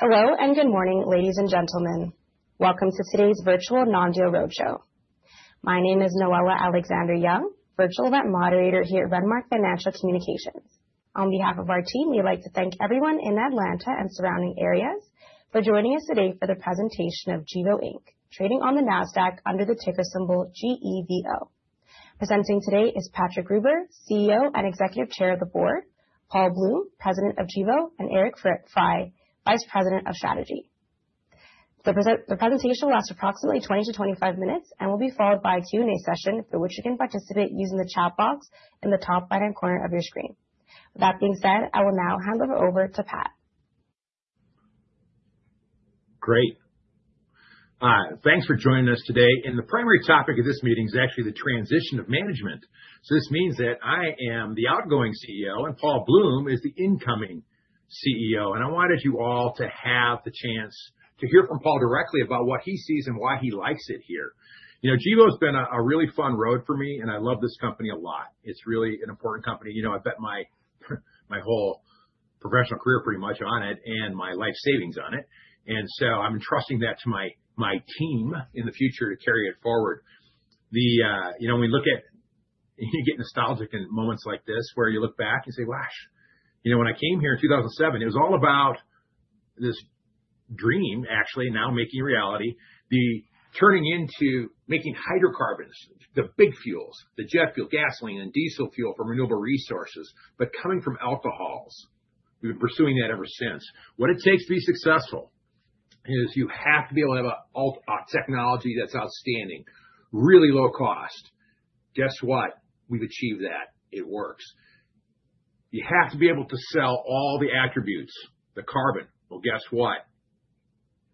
Hello and good morning, ladies and gentlemen. Welcome to today's virtual Non-Deal Roadshow. My name is Noella Alexander-Young, virtual event moderator here at Renmark Financial Communications. On behalf of our team, we'd like to thank everyone in Atlanta and surrounding areas for joining us today for the presentation of Gevo, Inc., trading on the NASDAQ under the ticker symbol GEVO. Presenting today is Patrick Gruber, CEO and Executive Chair of the Board; Paul Bloom, President of Gevo; and Eric Frey, Vice President of Strategy. The presentation will last approximately 20 to 25 minutes and will be followed by a Q&A session for which you can participate using the chat box in the top right-hand corner of your screen. With that being said, I will now hand it over to Pat. Great. Thanks for joining us today. The primary topic of this meeting is actually the transition of management. This means that I am the outgoing CEO and Paul Bloom is the incoming CEO. I wanted you all to have the chance to hear from Paul directly about what he sees and why he likes it here. You know, Gevo has been a really fun road for me and I love this company a lot. It's really an important company. You know, I bet my whole professional career pretty much on it and my life savings on it. So I'm entrusting that to my team in the future to carry it forward. You know, when we look at, you get nostalgic in moments like this where you look back and say, "Well, you know, when I came here in 2007, it was all about this dream, actually, now making reality, the turning into making hydrocarbons, the big fuels, the jet fuel, gasoline, and diesel fuel for renewable resources, but coming from alcohols." We've been pursuing that ever since. What it takes to be successful is you have to be able to have a technology that's outstanding, really low cost. Guess what? We've achieved that. It works. You have to be able to sell all the attributes, the carbon. Well, guess what?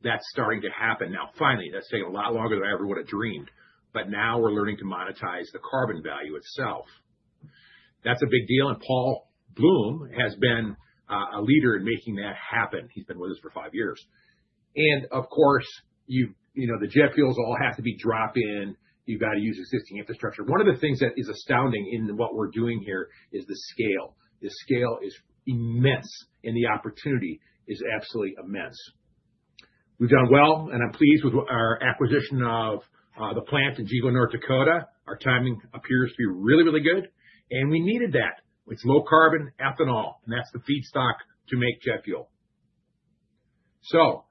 That's starting to happen now. Finally, that's taken a lot longer than I ever would have dreamed. But now we're learning to monetize the carbon value itself. That's a big deal. And Paul Bloom has been a leader in making that happen. He's been with us for five years. And of course, you know, the jet fuels all have to be drop-in. You've got to use existing infrastructure. One of the things that is astounding in what we're doing here is the scale. The scale is immense and the opportunity is absolutely immense. We've done well and I'm pleased with our acquisition of the plant in Gevo North Dakota. Our timing appears to be really, really good. And we needed that. It's low carbon ethanol and that's the feedstock to make jet fuel. So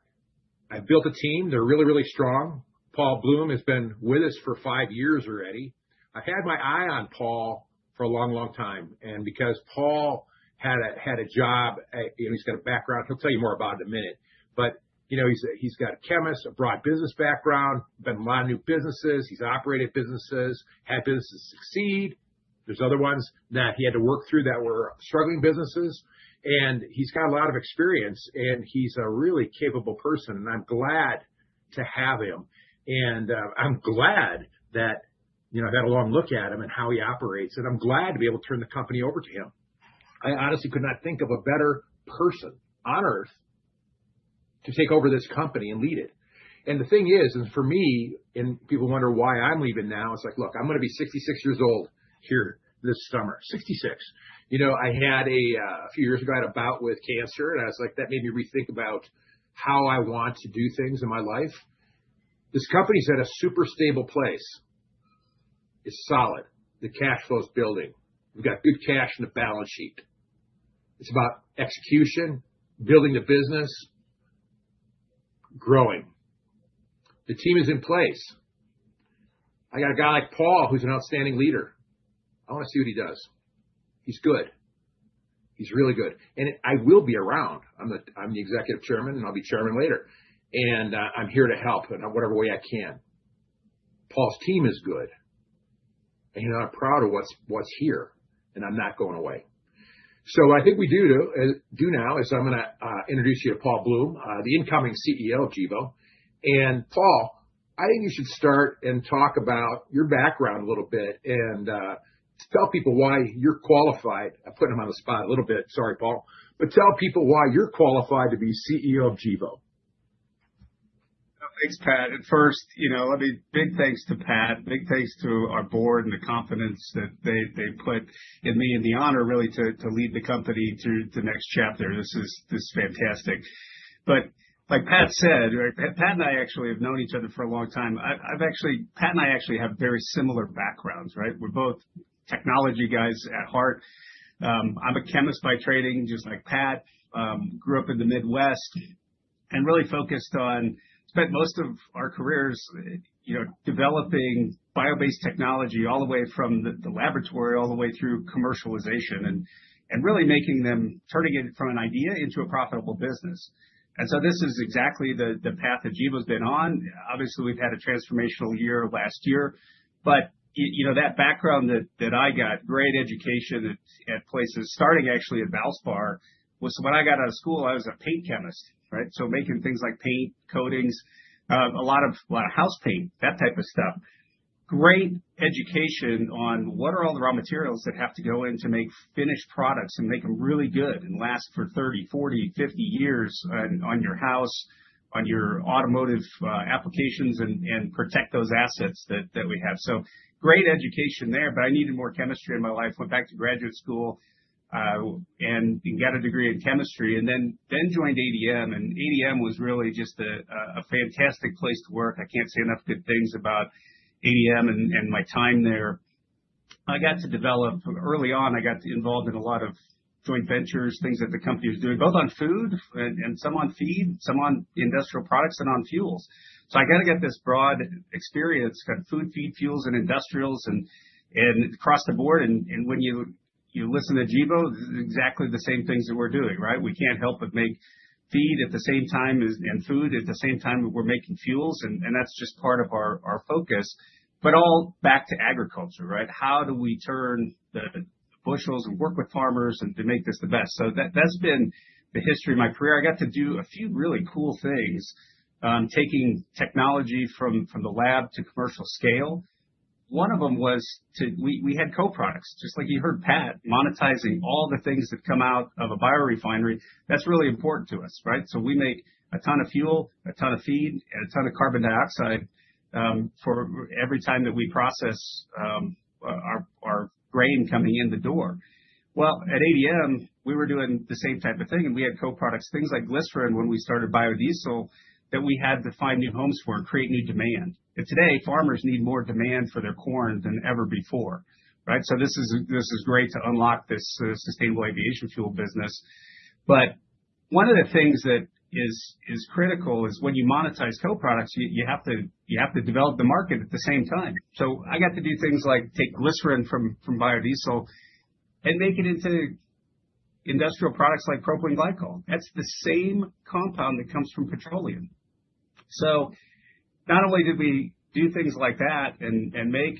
I've built a team. They're really, really strong. Paul Bloom has been with us for five years already. I've had my eye on Paul for a long, long time. And because Paul had a job, you know, he's got a background. He'll tell you more about it in a minute. But you know, he's got a chemist, a broad business background, been in a lot of new businesses. He's operated businesses, had businesses succeed. There's other ones that he had to work through that were struggling businesses. He's got a lot of experience and he's a really capable person. I'm glad to have him. I'm glad that, you know, I've had a long look at him and how he operates. I'm glad to be able to turn the company over to him. I honestly could not think of a better person on earth to take over this company and lead it. The thing is, for me, people wonder why I'm leaving now. It's like, look, I'm going to be 66 years old here this summer. 66. You know, a few years ago, I had a bout with cancer and I was like, that made me rethink about how I want to do things in my life. This company's at a super stable place. It's solid. The cash flow's building. We've got good cash in the balance sheet. It's about execution, building the business, growing. The team is in place. I got a guy like Paul who's an outstanding leader. I want to see what he does. He's good. He's really good. And I will be around. I'm the Executive Chairman and I'll be Chairman later. And I'm here to help in whatever way I can. Paul's team is good. And I'm proud of what's here. And I'm not going away. So I think we do now is I'm going to introduce you to Paul Bloom, the incoming CEO of Gevo. Paul, I think you should start and talk about your background a little bit and tell people why you're qualified. I'm putting him on the spot a little bit. Sorry, Paul. Tell people why you're qualified to be CEO of GEVO. Thanks, Pat. First, you know, let me, big thanks to Pat. Big thanks to our board and the confidence that they put in me and the honor really to lead the company to the next chapter. This is fantastic. Like Pat said, Pat and I actually have known each other for a long time. Pat and I actually have very similar backgrounds, right? We're both technology guys at heart. I'm a chemist by training, just like Pat. Grew up in the Midwest and really focused on, spent most of our careers, you know, developing bio-based technology all the way from the laboratory all the way through commercialization and really making them, turning it from an idea into a profitable business. So this is exactly the path that Gevo's been on. Obviously, we've had a transformational year last year. But, you know, that background that I got, great education at places, starting actually at Valspar, was when I got out of school, I was a paint chemist, right? So making things like paint, coatings, a lot of house paint, that type of stuff. Great education on what are all the raw materials that have to go in to make finished products and make them really good and last for 30, 40, 50 years on your house, on your automotive applications and protect those assets that we have. So great education there. But I needed more chemistry in my life. Went back to graduate school and got a degree in chemistry and then joined ADM. And ADM was really just a fantastic place to work. I can't say enough good things about ADM and my time there. I got to develop early on. I got involved in a lot of joint ventures, things that the company was doing, both on food and some on feed, some on industrial products and on fuels. So I got to get this broad experience, kind of food, feed, fuels, and industrials and across the board. And when you listen to Gevo, exactly the same things that we're doing, right? We can't help but make feed at the same time and food at the same time that we're making fuels. And that's just part of our focus. But all back to agriculture, right? How do we turn the bushels and work with farmers and to make this the best? So that's been the history of my career. I got to do a few really cool things, taking technology from the lab to commercial scale. One of them was to, we had co-products, just like you heard Pat, monetizing all the things that come out of a biorefinery. That's really important to us, right? So we make a ton of fuel, a ton of feed, and a ton of carbon dioxide for every time that we process our grain coming in the door. Well, at ADM, we were doing the same type of thing and we had co-products, things like glycerin when we started biodiesel that we had to find new homes for and create new demand. And today, farmers need more demand for their corn than ever before, right? So this is great to unlock this Sustainable Aviation Fuel business. But one of the things that is critical is when you monetize co-products, you have to develop the market at the same time. So I got to do things like take glycerin from biodiesel and make it into industrial products like propylene glycol. That's the same compound that comes from petroleum. So not only did we do things like that and make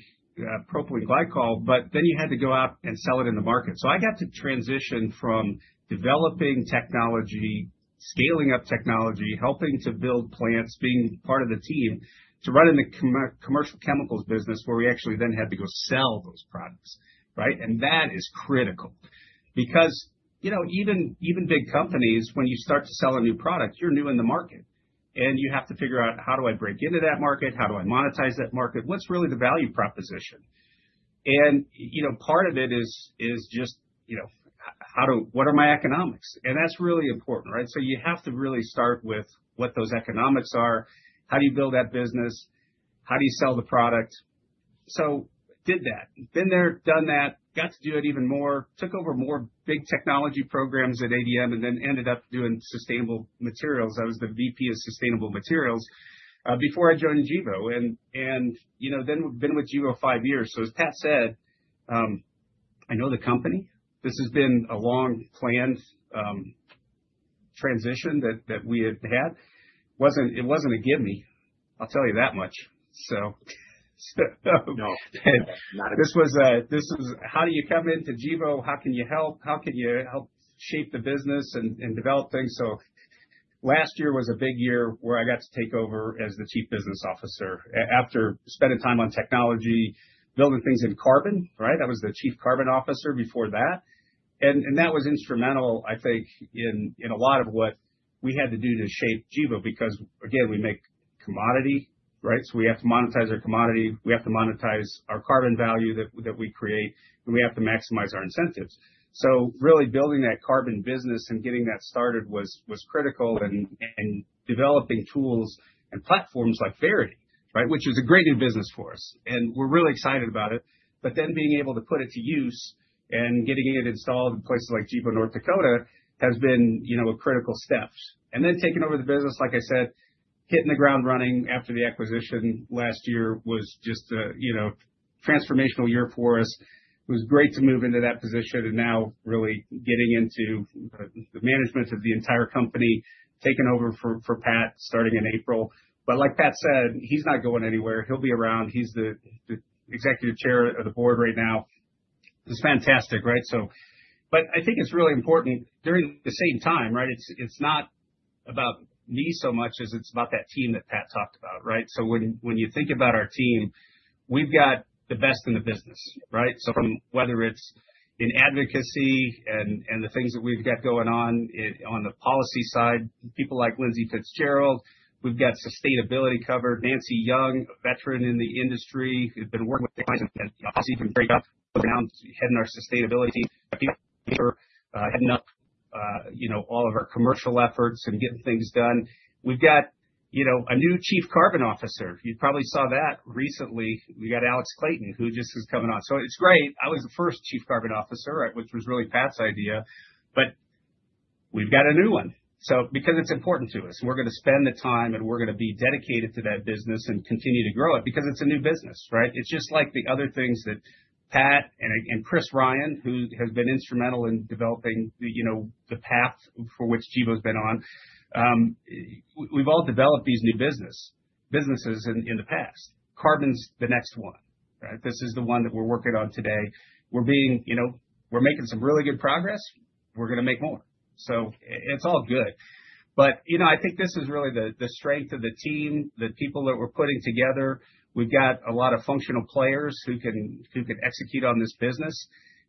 propylene glycol, but then you had to go out and sell it in the market. So I got to transition from developing technology, scaling up technology, helping to build plants, being part of the team to running the commercial chemicals business where we actually then had to go sell those products, right? And that is critical because, you know, even big companies, when you start to sell a new product, you're new in the market. And you have to figure out how do I break into that market? How do I monetize that market? What's really the value proposition? And, you know, part of it is just, you know, what are my economics? And that's really important, right? So you have to really start with what those economics are. How do you build that business? How do you sell the product? So did that. Been there, done that, got to do it even more, took over more big technology programs at ADM and then ended up doing sustainable materials. I was the VP of sustainable materials before I joined Gevo. And, you know, then been with Gevo five years. So as Pat said, I know the company. This has been a long planned transition that we had had. It wasn't a give me, I'll tell you that much. So this was, how do you come into Gevo? How can you help? How can you help shape the business and develop things? So last year was a big year where I got to take over as the Chief Business Officer after spending time on technology, building things in carbon, right? I was the Chief Carbon Officer before that. And that was instrumental, I think, in a lot of what we had to do to shape Gevo because, again, we make commodity, right? So we have to monetize our commodity. We have to monetize our carbon value that we create. And we have to maximize our incentives. So really building that carbon business and getting that started was critical and developing tools and platforms like Verity, right? Which was a great new business for us. And we're really excited about it. But then being able to put it to use and getting it installed in places like Gevo, North Dakota has been, you know, a critical step. And then taking over the business, like I said, hitting the ground running after the acquisition last year was just a, you know, transformational year for us. It was great to move into that position and now really getting into the management of the entire company, taking over for Pat starting in April. But like Pat said, he's not going anywhere. He'll be around. He's the Executive Chair of the board right now. It's fantastic, right? So, but I think it's really important during the same time, right? It's not about me so much as it's about that team that Pat talked about, right? So when you think about our team, we've got the best in the business, right? So whether it's in advocacy and the things that we've got going on on the policy side, people like Lindsay Fitzgerald, we've got sustainability covered, Nancy Young, a veteran in the industry. We've been working with Nancy from very young around heading our sustainability people, heading up, you know, all of our commercial efforts and getting things done. We've got, you know, a new Chief Carbon Officer. You probably saw that recently. We got Alex Clayton, who just is coming on. So it's great. I was the first Chief Carbon Officer, which was really Pat's idea. But we've got a new one. So because it's important to us, we're going to spend the time and we're going to be dedicated to that business and continue to grow it because it's a new business, right? It's just like the other things that Pat and Chris Ryan, who has been instrumental in developing, you know, the path for which GEVO's been on, we've all developed these new businesses in the past. Carbon's the next one, right? This is the one that we're working on today. We're being, you know, we're making some really good progress. We're going to make more. So it's all good. But, you know, I think this is really the strength of the team, the people that we're putting together. We've got a lot of functional players who can execute on this business.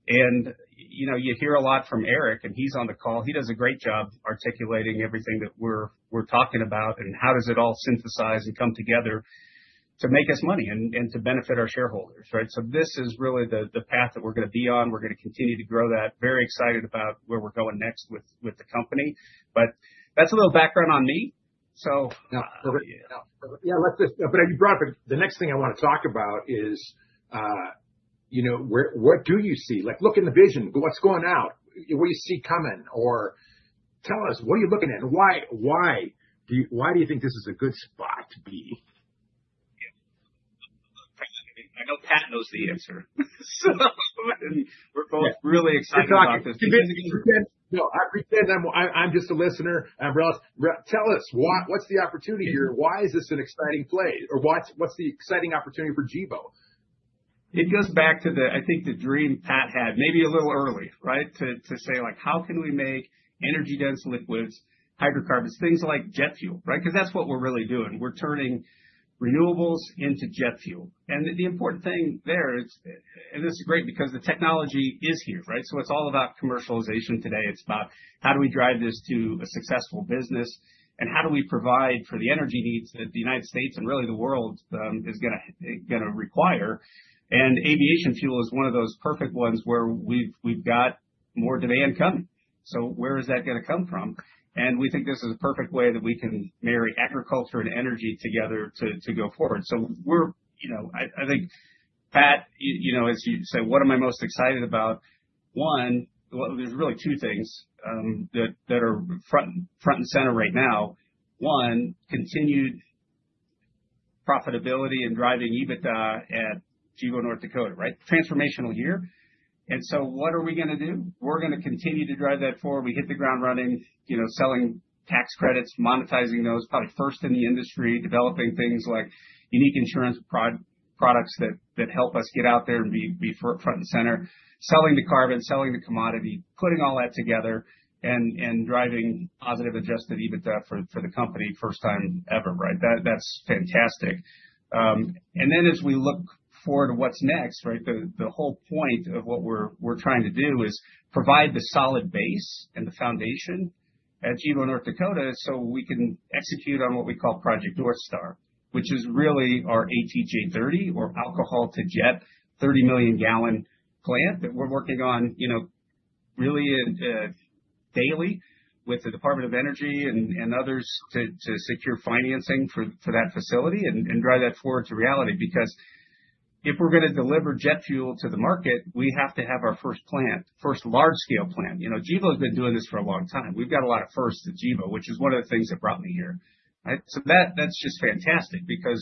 And, you know, you hear a lot from Eric and he's on the call. He does a great job articulating everything that we're talking about and how does it all synthesize and come together to make us money and to benefit our shareholders, right? So this is really the path that we're going to be on. We're going to continue to grow that. Very excited about where we're going next with the company. But that's a little background on me. So. Yeah, let's just, but you brought up the next thing I want to talk about is, you know, what do you see? Like, look in the vision, what's going out? What do you see coming? Or tell us, what are you looking at? And why do you think this is a good spot to be? I know Pat knows the answer. So we're both really excited about this. I'm talking. No, I pretend I'm just a listener. Tell us what's the opportunity here? Why is this an exciting play? Or what's the exciting opportunity for Gevo? It goes back to the, I think the dream Pat had, maybe a little early, right? To say like, how can we make energy-dense liquids, hydrocarbons, things like jet fuel, right? Because that's what we're really doing. We're turning renewables into jet fuel. And the important thing there, and this is great because the technology is here, right? So it's all about commercialization today. It's about how do we drive this to a successful business and how do we provide for the energy needs that the United States and really the world is going to require. And aviation fuel is one of those perfect ones where we've got more demand coming. So where is that going to come from? And we think this is a perfect way that we can marry agriculture and energy together to go forward. So we're, you know, I think Pat, you know, as you say, what am I most excited about? One, there's really two things that are front and center right now. One, continued profitability and driving EBITDA at Gevo, North Dakota, right? Transformational year. And so what are we going to do? We're going to continue to drive that forward. We hit the ground running, you know, selling tax credits, monetizing those, probably first in the industry, developing things like unique insurance products that help us get out there and be front and center, selling the carbon, selling the commodity, putting all that together and driving positive adjusted EBITDA for the company first time ever, right? That's fantastic. And then as we look forward to what's next, right? The whole point of what we're trying to do is provide the solid base and the foundation at Gevo, North Dakota, so we can execute on what we call Project Northstar, which is really our ATJ30 or alcohol-to-jet 30 million gallon plant that we're working on, you know, really daily with the Department of Energy and others to secure financing for that facility and drive that forward to reality. Because if we're going to deliver jet fuel to the market, we have to have our first plant, first large scale plant. You know, Gevo's been doing this for a long time. We've got a lot of firsts at Gevo, which is one of the things that brought me here, right? So that's just fantastic because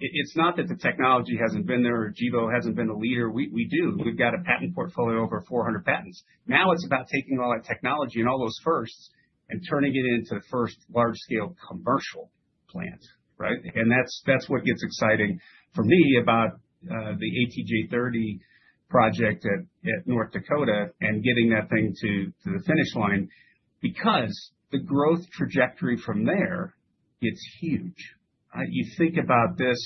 it's not that the technology hasn't been there or Gevo hasn't been a leader. We do. We've got a patent portfolio of over 400 patents. Now it's about taking all that technology and all those firsts and turning it into the first large scale commercial plant, right? And that's what gets exciting for me about the ATJ30 project at North Dakota and getting that thing to the finish line because the growth trajectory from there, it's huge, right? You think about this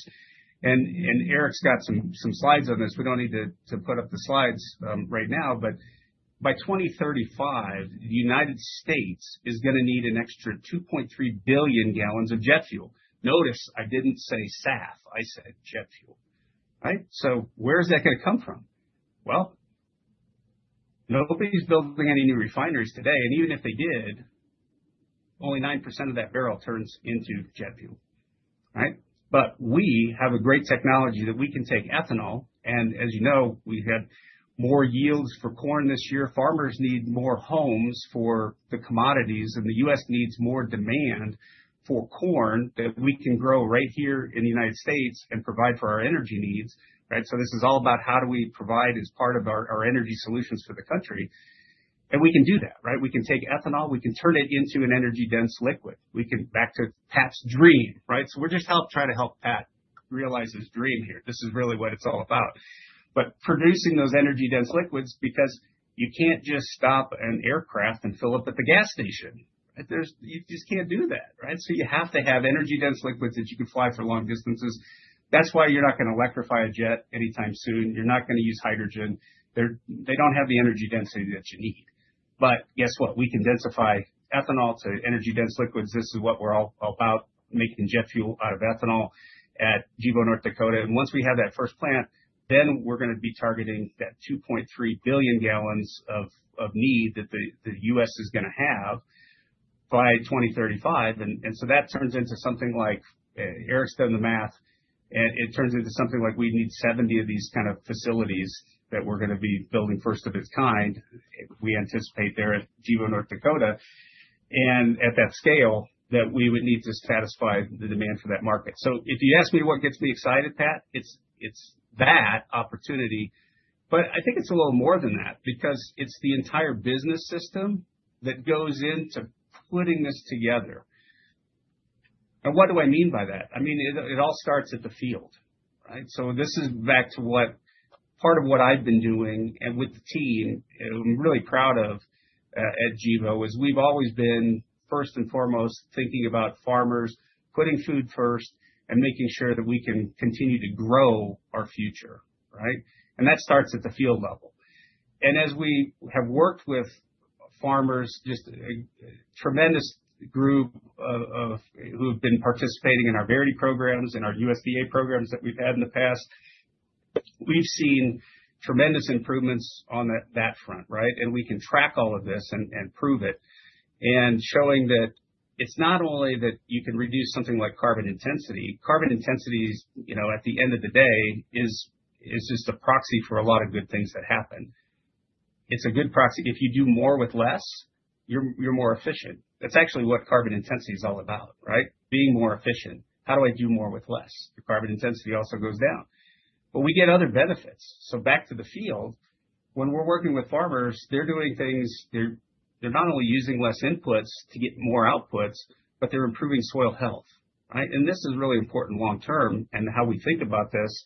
and Eric's got some slides on this. We don't need to put up the slides right now, but by 2035, the United States is going to need an extra 2.3 billion gallons of jet fuel. Notice I didn't say SAF. I said jet fuel, right? So where's that going to come from? Well, nobody's building any new refineries today. And even if they did, only 9% of that barrel turns into jet fuel, right? But we have a great technology that we can take ethanol. And as you know, we had more yields for corn this year. Farmers need more homes for the commodities and the U.S. needs more demand for corn that we can grow right here in the United States and provide for our energy needs, right? So this is all about how do we provide as part of our energy solutions for the country. And we can do that, right? We can take ethanol, we can turn it into an energy-dense liquid. We can back to Pat's dream, right? So we're just help try to help Pat realize his dream here. This is really what it's all about. But producing those energy-dense liquids because you can't just stop an aircraft and fill up at the gas station, right? You just can't do that, right? So you have to have energy-dense liquids that you can fly for long distances. That's why you're not going to electrify a jet anytime soon. You're not going to use hydrogen. They don't have the energy density that you need. But guess what? We can densify ethanol to energy-dense liquids. This is what we're all about, making jet fuel out of ethanol at Gevo, North Dakota. And once we have that first plant, then we're going to be targeting that 2.3 billion gallons of need that the U.S. is going to have by 2035. And so that turns into something like Eric's done the math. It turns into something like we need 70 of these kind of facilities that we're going to be building first of its kind. We anticipate there at Gevo, North Dakota, and at that scale that we would need to satisfy the demand for that market. So if you ask me what gets me excited, Pat, it's that opportunity. But I think it's a little more than that because it's the entire business system that goes into putting this together. And what do I mean by that? I mean, it all starts at the field, right? So this is back to what part of what I've been doing and with the team I'm really proud of at Gevo is we've always been first and foremost thinking about farmers, putting food first and making sure that we can continue to grow our future, right? And that starts at the field level. And as we have worked with farmers, just a tremendous group of who have been participating in our Verity programs and our USDA programs that we've had in the past, we've seen tremendous improvements on that front, right? And we can track all of this and prove it. And showing that it's not only that you can reduce something like carbon intensity. Carbon intensities, you know, at the end of the day is just a proxy for a lot of good things that happen. It's a good proxy. If you do more with less, you're more efficient. That's actually what carbon intensity is all about, right? Being more efficient. How do I do more with less? Your carbon intensity also goes down. But we get other benefits. So back to the field, when we're working with farmers, they're doing things. They're not only using less inputs to get more outputs, but they're improving soil health, right? And this is really important long term and how we think about this,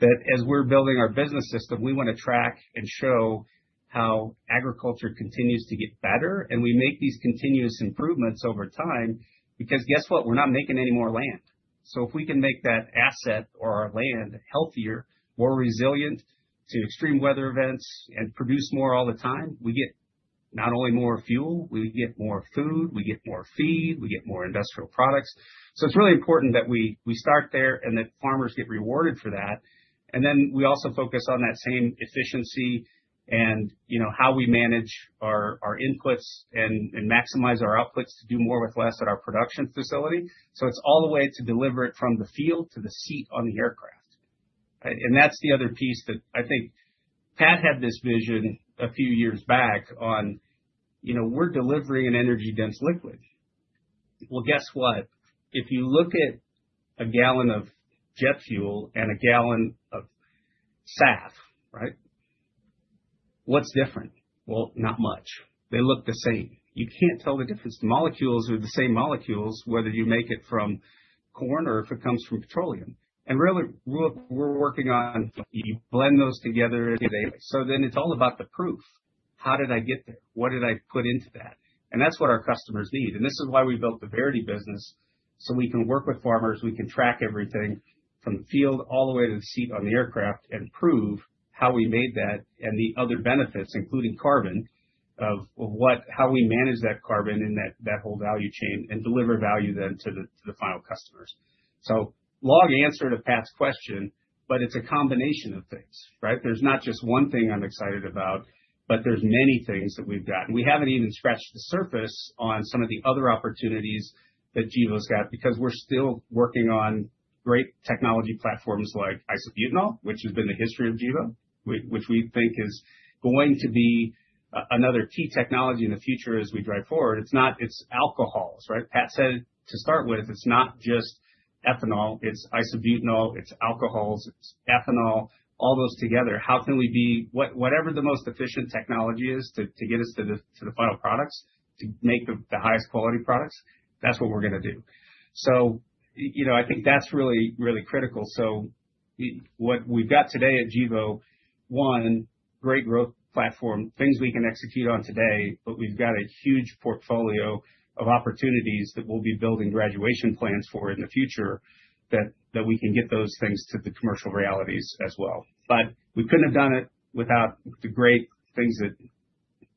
that as we're building our business system, we want to track and show how agriculture continues to get better. And we make these continuous improvements over time because guess what? We're not making any more land. So if we can make that asset or our land healthier, more resilient to extreme weather events and produce more all the time, we get not only more fuel, we get more food, we get more feed, we get more industrial products. So it's really important that we start there and that farmers get rewarded for that. And then we also focus on that same efficiency and, you know, how we manage our inputs and maximize our outputs to do more with less at our production facility. So it's all the way to deliver it from the field to the seat on the aircraft, right? And that's the other piece that I think Pat had this vision a few years back on, you know, we're delivering an energy-dense liquid. Well, guess what? If you look at a gallon of jet fuel and a gallon of SAF, right? What's different? Well, not much. They look the same. You can't tell the difference. The molecules are the same molecules, whether you make it from corn or if it comes from petroleum. And really, we're working on. You blend those together. So then it's all about the proof. How did I get there? What did I put into that? And that's what our customers need. And this is why we built the Verity business. So we can work with farmers, we can track everything from the field all the way to the seat on the aircraft and prove how we made that and the other benefits, including carbon, of how we manage that carbon in that whole value chain and deliver value then to the final customers. So, long answer to Pat's question, but it's a combination of things, right? There's not just one thing I'm excited about, but there's many things that we've gotten. We haven't even scratched the surface on some of the other opportunities that GEVO's got because we're still working on great technology platforms like isobutanol, which has been the history of GEVO, which we think is going to be another key technology in the future as we drive forward. It's not, it's alcohols, right? Pat said to start with, it's not just ethanol, it's isobutanol, it's alcohols, it's ethanol, all those together. How can we be whatever the most efficient technology is to get us to the final products to make the highest quality products? That's what we're going to do. So, you know, I think that's really, really critical. So what we've got today at Gevo, one, great growth platform, things we can execute on today, but we've got a huge portfolio of opportunities that we'll be building graduation plans for in the future that we can get those things to the commercial realities as well. But we couldn't have done it without the great things that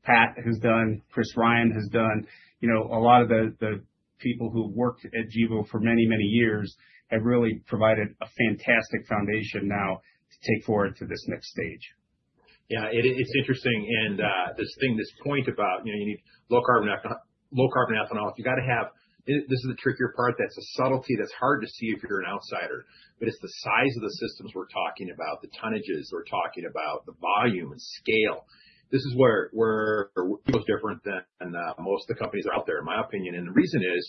Pat has done, Chris Ryan has done. You know, a lot of the people who have worked at Gevo for many, many years have really provided a fantastic foundation now to take forward to this next stage. Yeah, it's interesting. And this thing, this point about, you know, you need low carbon ethanol, you've got to have, this is the trickier part. That's a subtlety that's hard to see if you're an outsider, but it's the size of the systems we're talking about, the tonnages we're talking about, the volume and scale. This is where Gevo's different than most of the companies out there, in my opinion. And the reason is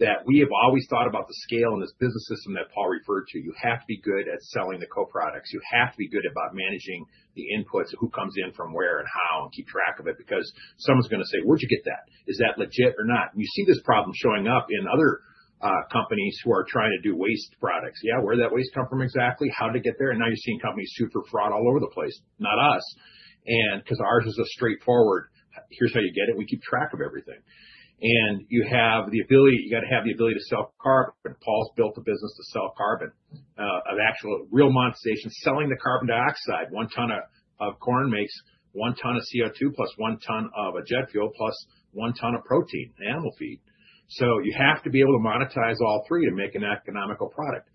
that we have always thought about the scale in this business system that Paul referred to. You have to be good at selling the co-products. You have to be good about managing the inputs, who comes in from where and how and keep track of it because someone's going to say, "Where'd you get that? Is that legit or not?" And you see this problem showing up in other companies who are trying to do waste products. Yeah, where did that waste come from exactly? How did it get there? And now you're seeing companies sue for fraud all over the place, not us. And because ours is a straightforward, here's how you get it. We keep track of everything. And you have the ability, you got to have the ability to sell carbon. Paul's built a business to sell carbon of actual real monetization, selling the carbon dioxide. One ton of corn makes one ton of CO2 plus one ton of jet fuel plus one ton of protein, animal feed. So you have to be able to monetize all three to make an economical product.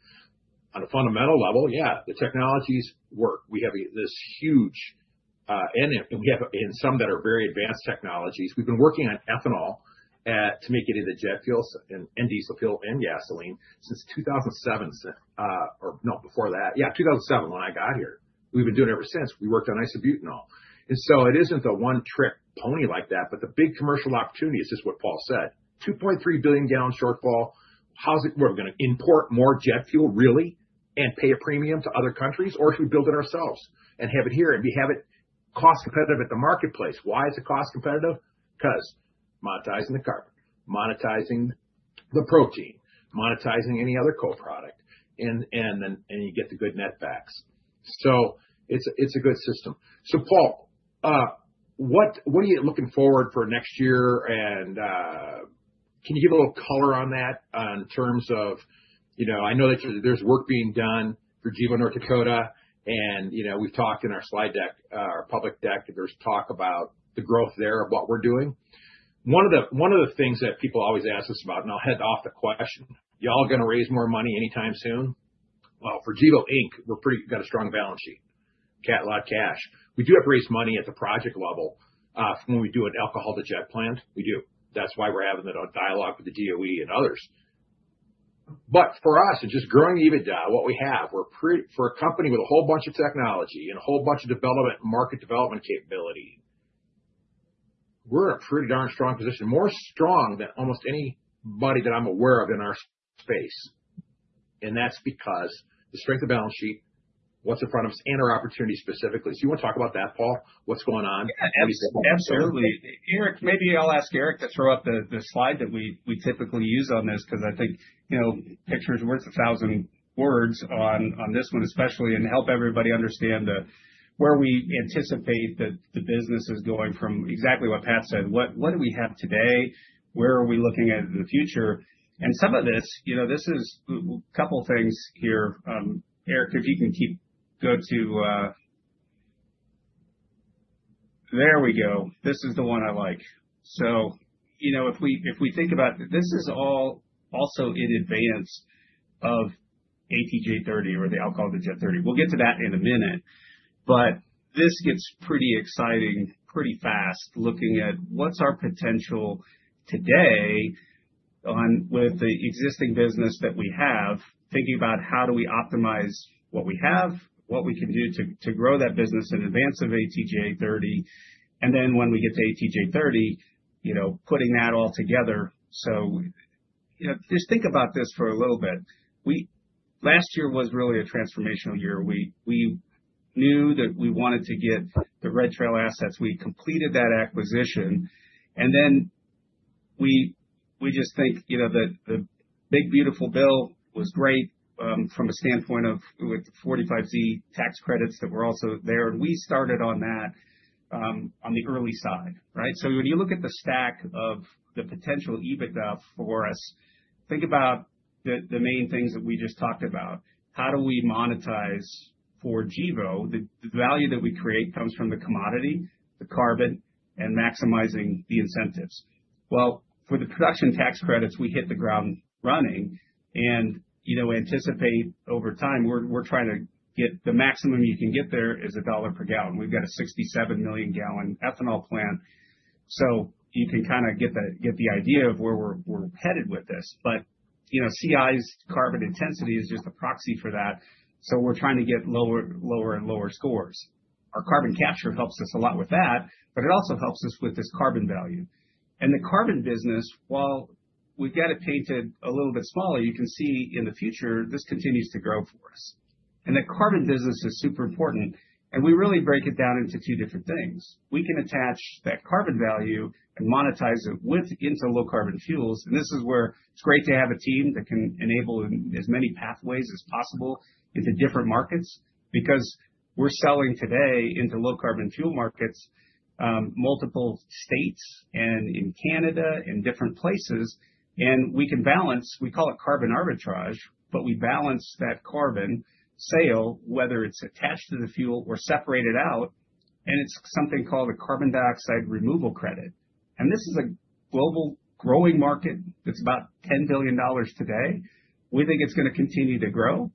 On a fundamental level, yeah, the technologies work. We have this huge, and we have some that are very advanced technologies. We've been working on ethanol to make it into jet fuel and diesel fuel and gasoline since 2007 or no, before that, yeah, 2007 when I got here. We've been doing it ever since. We worked on isobutanol. And so it isn't the one trick pony like that, but the big commercial opportunity is just what Paul said. 2.3 billion gallon shortfall. How's it, we're going to import more jet fuel really and pay a premium to other countries or should we build it ourselves and have it here and have it cost competitive at the marketplace? Why is it cost competitive? Because monetizing the carbon, monetizing the protein, monetizing any other co-product, and then you get the good net back. So it's a good system. So Paul, what are you looking forward for next year? And can you give a little color on that in terms of, you know, I know that there's work being done for Gevo, North Dakota, and you know, we've talked in our slide deck, our public deck, there's talk about the growth there of what we're doing. One of the things that people always ask us about, and I'll head off the question, y'all going to raise more money anytime soon? Well, for Gevo, Inc., we've got a strong balance sheet, a lot of cash. We do have to raise money at the project level when we do an alcohol to jet plant. We do. That's why we're having that dialogue with the DOE and others. But for us, and just growing EBITDA, what we have, we're for a company with a whole bunch of technology and a whole bunch of development and market development capability, we're in a pretty darn strong position, more strong than almost anybody that I'm aware of in our space. And that's because the strength of balance sheet, what's in front of us and our opportunity specifically. So you want to talk about that, Paul? What's going on? Absolutely. Eric, maybe I'll ask Eric to throw up the slide that we typically use on this because I think, you know, pictures [are worth] a thousand words on this one especially and help everybody understand where we anticipate that the business is going from exactly what Pat said. What do we have today? Where are we looking at in the future? And some of this, you know, this is a couple of things here. Eric, if you can go to there we go. This is the one I like. So, you know, if we think about this is all also in advance of ATJ30 or the Alcohol-to-Jet 30. We'll get to that in a minute. But this gets pretty exciting pretty fast looking at what's our potential today with the existing business that we have, thinking about how do we optimize what we have, what we can do to grow that business in advance of ATJ30. And then when we get to ATJ30, you know, putting that all together. So, you know, just think about this for a little bit. Last year was really a transformational year. We knew that we wanted to get the Red Trail assets. We completed that acquisition. And then we just think, you know, that the big beautiful bill was great from a standpoint of with the 45Z tax credits that were also there. And we started on that on the early side, right? So when you look at the stack of the potential EBITDA for us, think about the main things that we just talked about. How do we monetize for Gevo? The value that we create comes from the commodity, the carbon, and maximizing the incentives. Well, for the production tax credits, we hit the ground running. And, you know, anticipate over time, we're trying to get the maximum you can get there is $1 per gallon. We've got a 67 million gallon ethanol plant. So you can kind of get the idea of where we're headed with this. But, you know, CI's carbon intensity is just a proxy for that. So we're trying to get lower and lower scores. Our carbon capture helps us a lot with that, but it also helps us with this carbon value. And the carbon business, while we've got it painted a little bit smaller, you can see in the future, this continues to grow for us. And the carbon business is super important. We really break it down into two different things. We can attach that carbon value and monetize it with into low carbon fuels. This is where it's great to have a team that can enable as many pathways as possible into different markets because we're selling today into low carbon fuel markets, multiple states and in Canada and different places. We can balance, we call it carbon arbitrage, but we balance that carbon sale, whether it's attached to the fuel or separated out. It's something called a carbon dioxide removal credit. This is a global growing market that's about $10 billion today. We think it's going to continue to grow.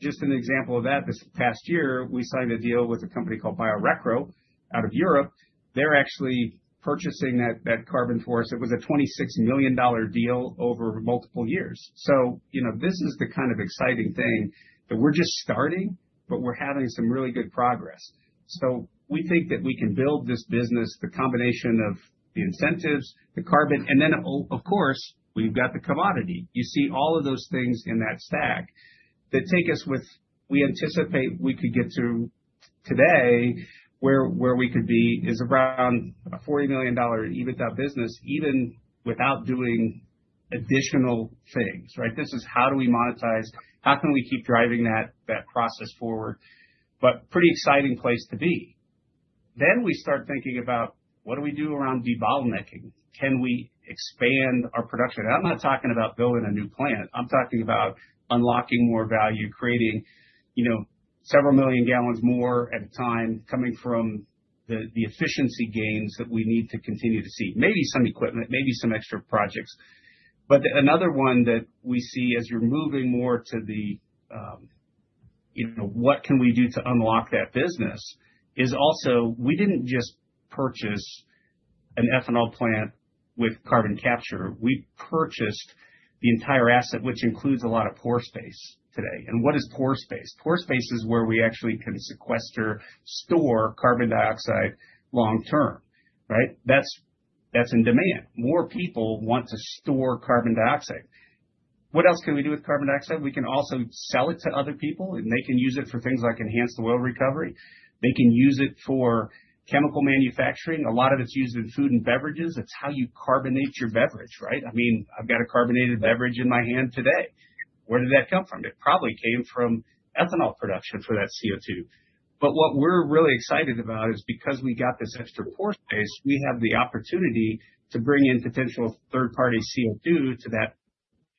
Just an example of that, this past year, we signed a deal with a company called Biorecro out of Europe. They're actually purchasing that carbon for us. It was a $26 million deal over multiple years. So, you know, this is the kind of exciting thing that we're just starting, but we're having some really good progress. So we think that we can build this business, the combination of the incentives, the carbon, and then of course, we've got the commodity. You see all of those things in that stack that take us with, we anticipate we could get to today where we could be is around a $40 million EBITDA business, even without doing additional things, right? This is how do we monetize, how can we keep driving that process forward? But pretty exciting place to be. Then we start thinking about what do we do around de-bottlenecking? Can we expand our production? And I'm not talking about building a new plant. I'm talking about unlocking more value, creating, you know, several million gallons more at a time coming from the efficiency gains that we need to continue to see. Maybe some equipment, maybe some extra projects. But another one that we see as you're moving more to the, you know, what can we do to unlock that business is also, we didn't just purchase an ethanol plant with carbon capture. We purchased the entire asset, which includes a lot of pore space today. And what is Pore Space? Pore Space is where we actually can sequester, store carbon dioxide long term, right? That's in demand. More people want to store carbon dioxide. What else can we do with carbon dioxide? We can also sell it to other people and they can use it for things like enhanced oil recovery. They can use it for chemical manufacturing. A lot of it's used in food and beverages. It's how you carbonate your beverage, right? I mean, I've got a carbonated beverage in my hand today. Where did that come from? It probably came from ethanol production for that CO2. But what we're really excited about is because we got this extra pore space, we have the opportunity to bring in potential third-party CO2 to that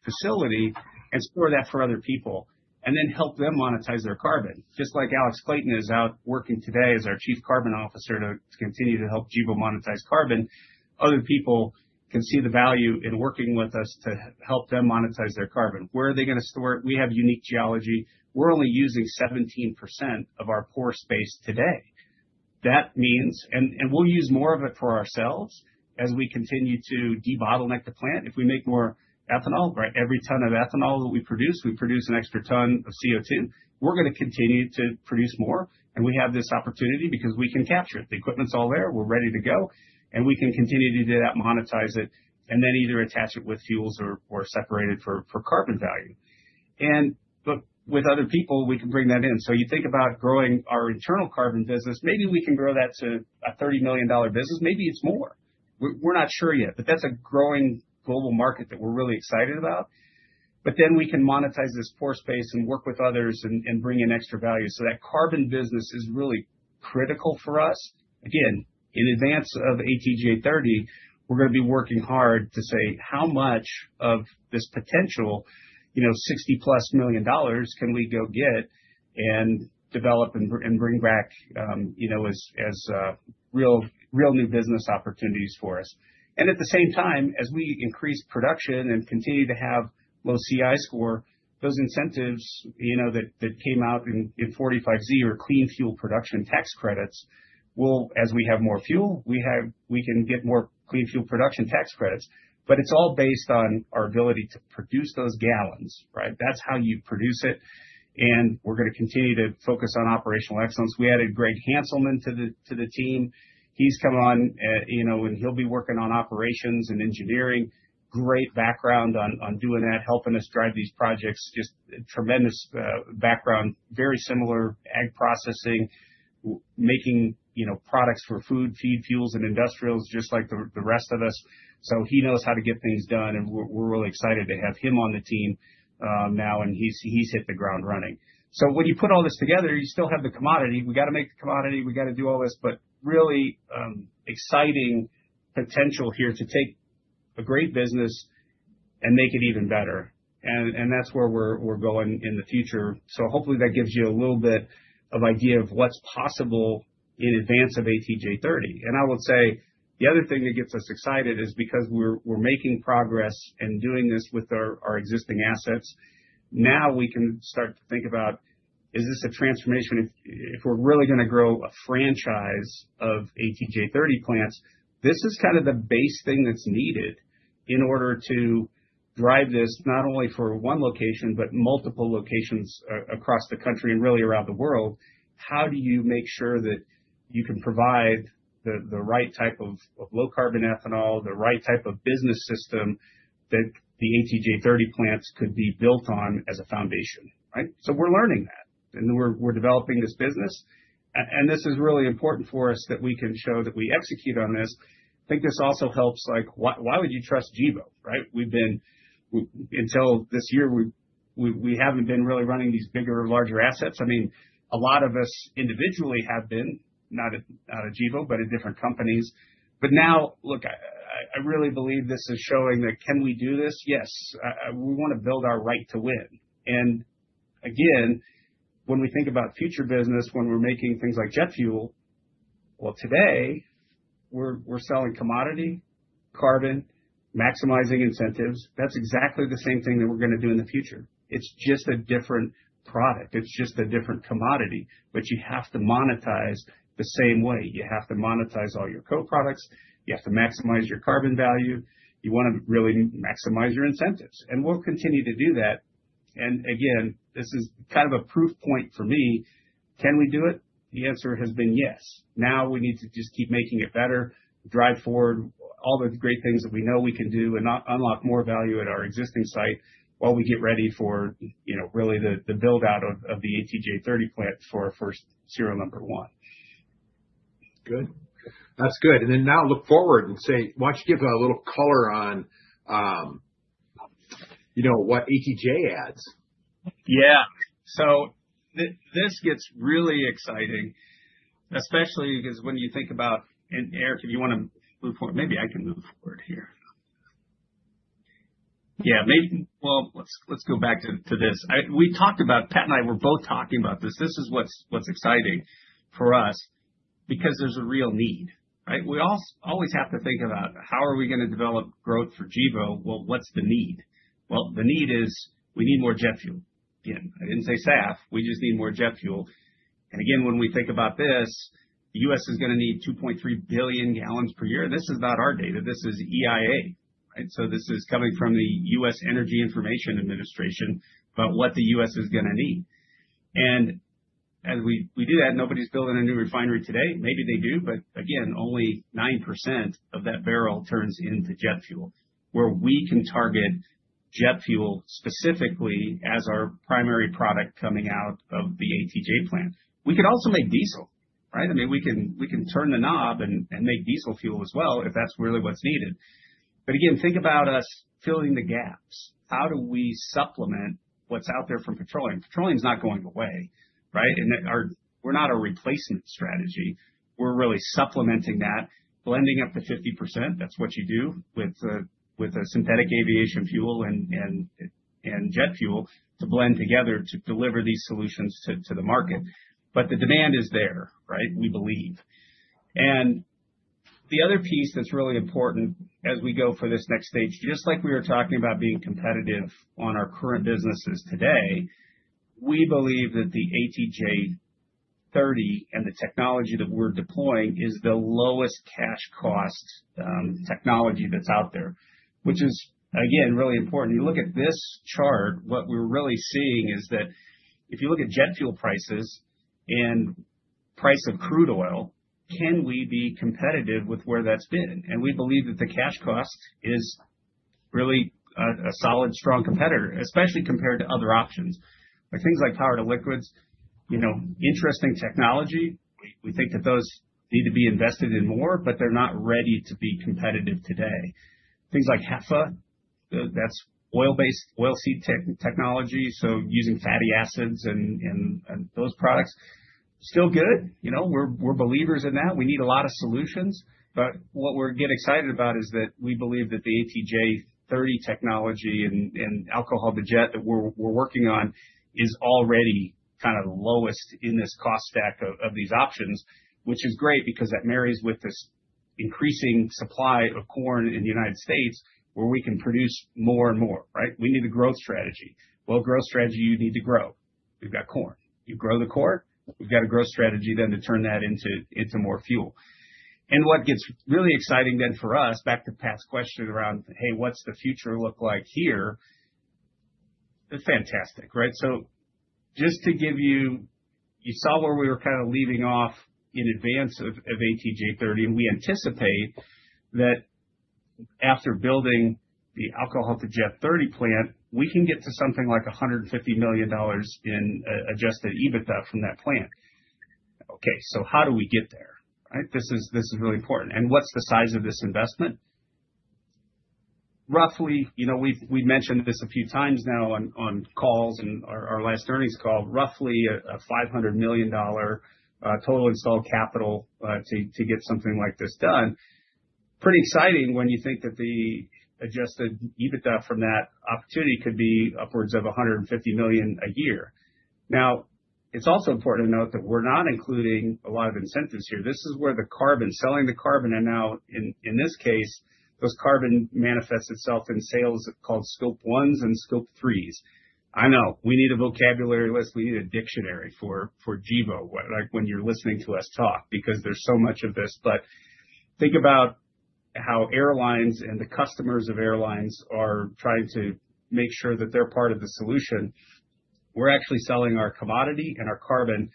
facility and store that for other people and then help them monetize their carbon. Just like Alex Clayton is out working today as our Chief Carbon Officer to continue to help Gevo monetize carbon, other people can see the value in working with us to help them monetize their carbon. Where are they going to store it? We have unique geology. We're only using 17% of our pore space today. That means, and we'll use more of it for ourselves as we continue to de-bottleneck the plant. If we make more ethanol, right? Every ton of ethanol that we produce, we produce an extra ton of CO2. We're going to continue to produce more. And we have this opportunity because we can capture it. The equipment's all there. We're ready to go. And we can continue to do that, monetize it, and then either attach it with fuels or separate it for carbon value. And with other people, we can bring that in. So you think about growing our internal carbon business, maybe we can grow that to a $30 million business. Maybe it's more. We're not sure yet, but that's a growing global market that we're really excited about. But then we can monetize this pore space and work with others and bring in extra value. So that carbon business is really critical for us. Again, in advance of ATJ30, we're going to be working hard to say how much of this potential, you know, $60+ million can we go get and develop and bring back, you know, as real new business opportunities for us. And at the same time, as we increase production and continue to have low CI score, those incentives, you know, that came out in 45Z or clean fuel production tax credits will, as we have more fuel, we can get more clean fuel production tax credits. But it's all based on our ability to produce those gallons, right? That's how you produce it. And we're going to continue to focus on operational excellence. We added Greg Hanselman to the team. He's come on, you know, and he'll be working on operations and engineering. Great background on doing that, helping us drive these projects, just tremendous background, very similar ag processing, making, you know, products for food, feed, fuels, and industrials just like the rest of us. So he knows how to get things done. We're really excited to have him on the team now. He's hit the ground running. When you put all this together, you still have the commodity. We got to make the commodity. We got to do all this, but really exciting potential here to take a great business and make it even better. That's where we're going in the future. Hopefully that gives you a little bit of idea of what's possible in advance of ATJ30. I would say the other thing that gets us excited is because we're making progress and doing this with our existing assets. Now we can start to think about, is this a transformation? If we're really going to grow a franchise of ATJ30 plants, this is kind of the base thing that's needed in order to drive this not only for one location, but multiple locations across the country and really around the world. How do you make sure that you can provide the right type of low carbon ethanol, the right type of business system that the ATJ30 plants could be built on as a foundation, right? So we're learning that. And we're developing this business. And this is really important for us that we can show that we execute on this. I think this also helps, like, why would you trust Gevo, right? We've been until this year, we haven't been really running these bigger, larger assets. I mean, a lot of us individually have been not at Gevo, but at different companies. But now, look, I really believe this is showing that can we do this? Yes. We want to build our right to win. And again, when we think about future business, when we're making things like jet fuel, well, today we're selling commodity, carbon, maximizing incentives. That's exactly the same thing that we're going to do in the future. It's just a different product. It's just a different commodity, but you have to monetize the same way. You have to monetize all your co-products. You have to maximize your carbon value. You want to really maximize your incentives. And we'll continue to do that. And again, this is kind of a proof point for me. Can we do it? The answer has been yes. Now we need to just keep making it better, drive forward all the great things that we know we can do and unlock more value at our existing site while we get ready for, you know, really the build-out of the ATJ30 plant for serial number one. Good. That's good. And then now look forward and say, why don't you give a little color on, you know, what ATJ adds? Yeah. So this gets really exciting, especially because when you think about, and Eric, if you want to move forward. Maybe I can move forward here. Yeah, maybe. Well, let's go back to this. We talked about, Pat and I were both talking about this. This is what's exciting for us because there's a real need, right? We always have to think about how are we going to develop growth for Gevo? Well, what's the need? Well, the need is we need more jet fuel. Again, I didn't say SAF. We just need more jet fuel. And again, when we think about this, the U.S. is going to need 2.3 billion gallons per year. This is not our data. This is EIA, right? So this is coming from the U.S. Energy Information Administration about what the U.S. is going to need. And as we do that, nobody's building a new refinery today. Maybe they do, but again, only 9% of that barrel turns into jet fuel where we can target jet fuel specifically as our primary product coming out of the ATJ plant. We could also make diesel, right? I mean, we can turn the knob and make diesel fuel as well if that's really what's needed. But again, think about us filling the gaps. How do we supplement what's out there from petroleum? Petroleum's not going away, right? And we're not a replacement strategy. We're really supplementing that, blending up to 50%. That's what you do with synthetic aviation fuel and jet fuel to blend together to deliver these solutions to the market. But the demand is there, right? We believe. The other piece that's really important as we go for this next stage, just like we were talking about being competitive on our current businesses today, we believe that the ATJ30 and the technology that we're deploying is the lowest cash cost technology that's out there, which is, again, really important. You look at this chart. What we're really seeing is that if you look at jet fuel prices and price of crude oil, can we be competitive with where that's been? We believe that the cash cost is really a solid, strong competitor, especially compared to other options. Like things like power-to-liquids, you know, interesting technology, we think that those need to be invested in more, but they're not ready to be competitive today. Things like HEFA, that's oil-based oilseed technology. So using fatty acids and those products, still good. You know, we're believers in that. We need a lot of solutions. But what we're getting excited about is that we believe that the ATJ30 technology and alcohol to jet that we're working on is already kind of the lowest in this cost stack of these options, which is great because that marries with this increasing supply of corn in the United States where we can produce more and more, right? We need a growth strategy. Well, growth strategy, you need to grow. We've got corn. You grow the corn. We've got a growth strategy then to turn that into more fuel. And what gets really exciting then for us, back to Pat's question around, hey, what's the future look like here? Fantastic, right? So just to give you, you saw where we were kind of leaving off in advance of ATJ30. We anticipate that after building the Alcohol-to-Jet 30 plant, we can get to something like $150 million in Adjusted EBITDA from that plant. Okay. So how do we get there, right? This is really important. What's the size of this investment? Roughly, you know, we've mentioned this a few times now on calls and our last earnings call, roughly a $500 million total installed capital to get something like this done. Pretty exciting when you think that the Adjusted EBITDA from that opportunity could be upwards of $150 million a year. Now, it's also important to note that we're not including a lot of incentives here. This is where the carbon, selling the carbon, and now in this case, those carbon manifests itself in sales called Scope 1s and Scope 3s. I know we need a vocabulary list. We need a dictionary for Gevo, like when you're listening to us talk because there's so much of this. But think about how airlines and the customers of airlines are trying to make sure that they're part of the solution. We're actually selling our commodity and our carbon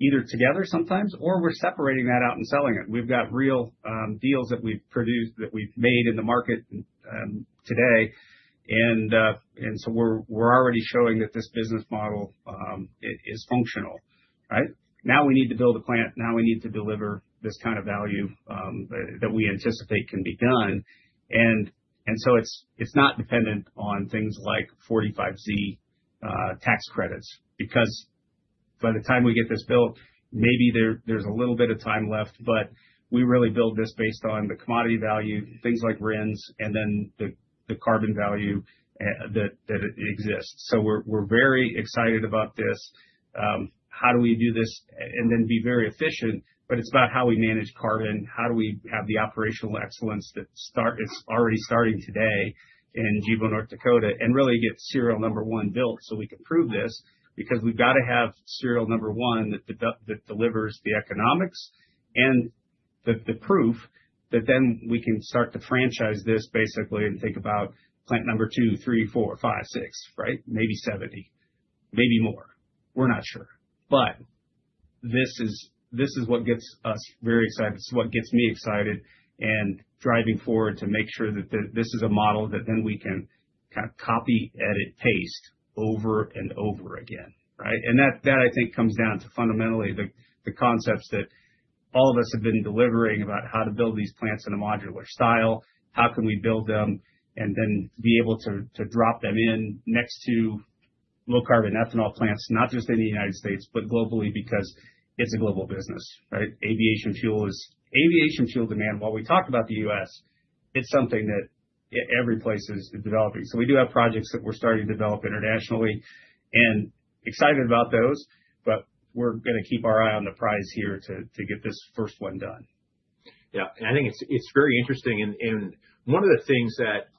either together sometimes or we're separating that out and selling it. We've got real deals that we've produced that we've made in the market today. And so we're already showing that this business model is functional, right? Now we need to build a plant. Now we need to deliver this kind of value that we anticipate can be done. It's not dependent on things like 45Z tax credits because by the time we get this built, maybe there's a little bit of time left, but we really build this based on the commodity value, things like RINs, and then the carbon value that exists. We're very excited about this. How do we do this and then be very efficient? It's about how we manage carbon. How do we have the operational excellence that's already starting today in Gevo, North Dakota, and really get serial number 1 built so we can prove this because we've got to have serial number 1 that delivers the economics and the proof that then we can start to franchise this basically and think about plant number 2, 3, 4, 5, 6, right? Maybe 70, maybe more. We're not sure. This is what gets us very excited. It's what gets me excited and driving forward to make sure that this is a model that then we can kind of copy, edit, paste over and over again, right? And that, I think, comes down to fundamentally the concepts that all of us have been delivering about how to build these plants in a modular style, how can we build them and then be able to drop them in next to low carbon ethanol plants, not just in the United States, but globally because it's a global business, right? Aviation fuel is aviation fuel demand. While we talk about the U.S., it's something that every place is developing. So we do have projects that we're starting to develop internationally and excited about those, but we're going to keep our eye on the prize here to get this first one done. Yeah. And I think it's very interesting. And one of the things that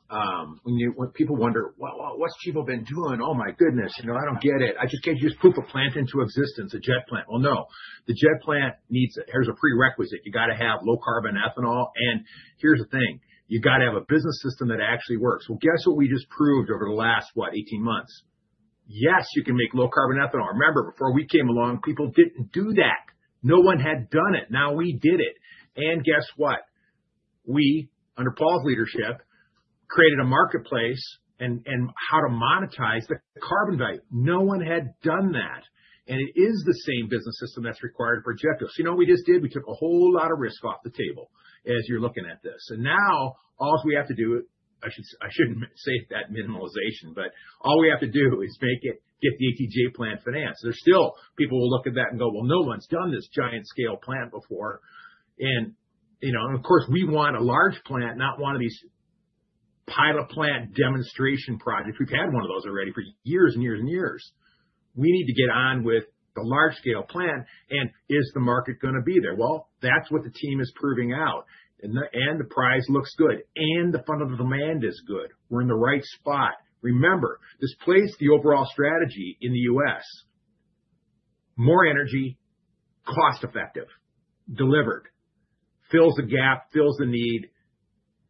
when people wonder, well, what's Gevo been doing? Oh my goodness, you know, I don't get it. I just can't just put a plant into existence, a jet plant. Well, no, the jet plant needs a, here's a prerequisite. You got to have low carbon ethanol. And here's the thing. You got to have a business system that actually works. Well, guess what we just proved over the last, what, 18 months? Yes, you can make low carbon ethanol. Remember, before we came along, people didn't do that. No one had done it. Now we did it. And guess what? We, under Paul's leadership, created a marketplace and how to monetize the carbon value. No one had done that. And it is the same business system that's required for jet fuel. So, you know, what we just did, we took a whole lot of risk off the table as you're looking at this. And now all we have to do, I shouldn't say that minimalization, but all we have to do is make it, get the ATJ plant financed. There's still people who will look at that and go, well, no one's done this giant scale plant before. And, you know, of course, we want a large plant, not one of these pilot plant demonstration projects. We've had one of those already for years and years and years. We need to get on with the large scale plant. And is the market going to be there? Well, that's what the team is proving out. And the prize looks good. And the fundamental demand is good. We're in the right spot. Remember, this plays the overall strategy in the U.S. More energy, cost-effective, delivered, fills the gap, fills the need.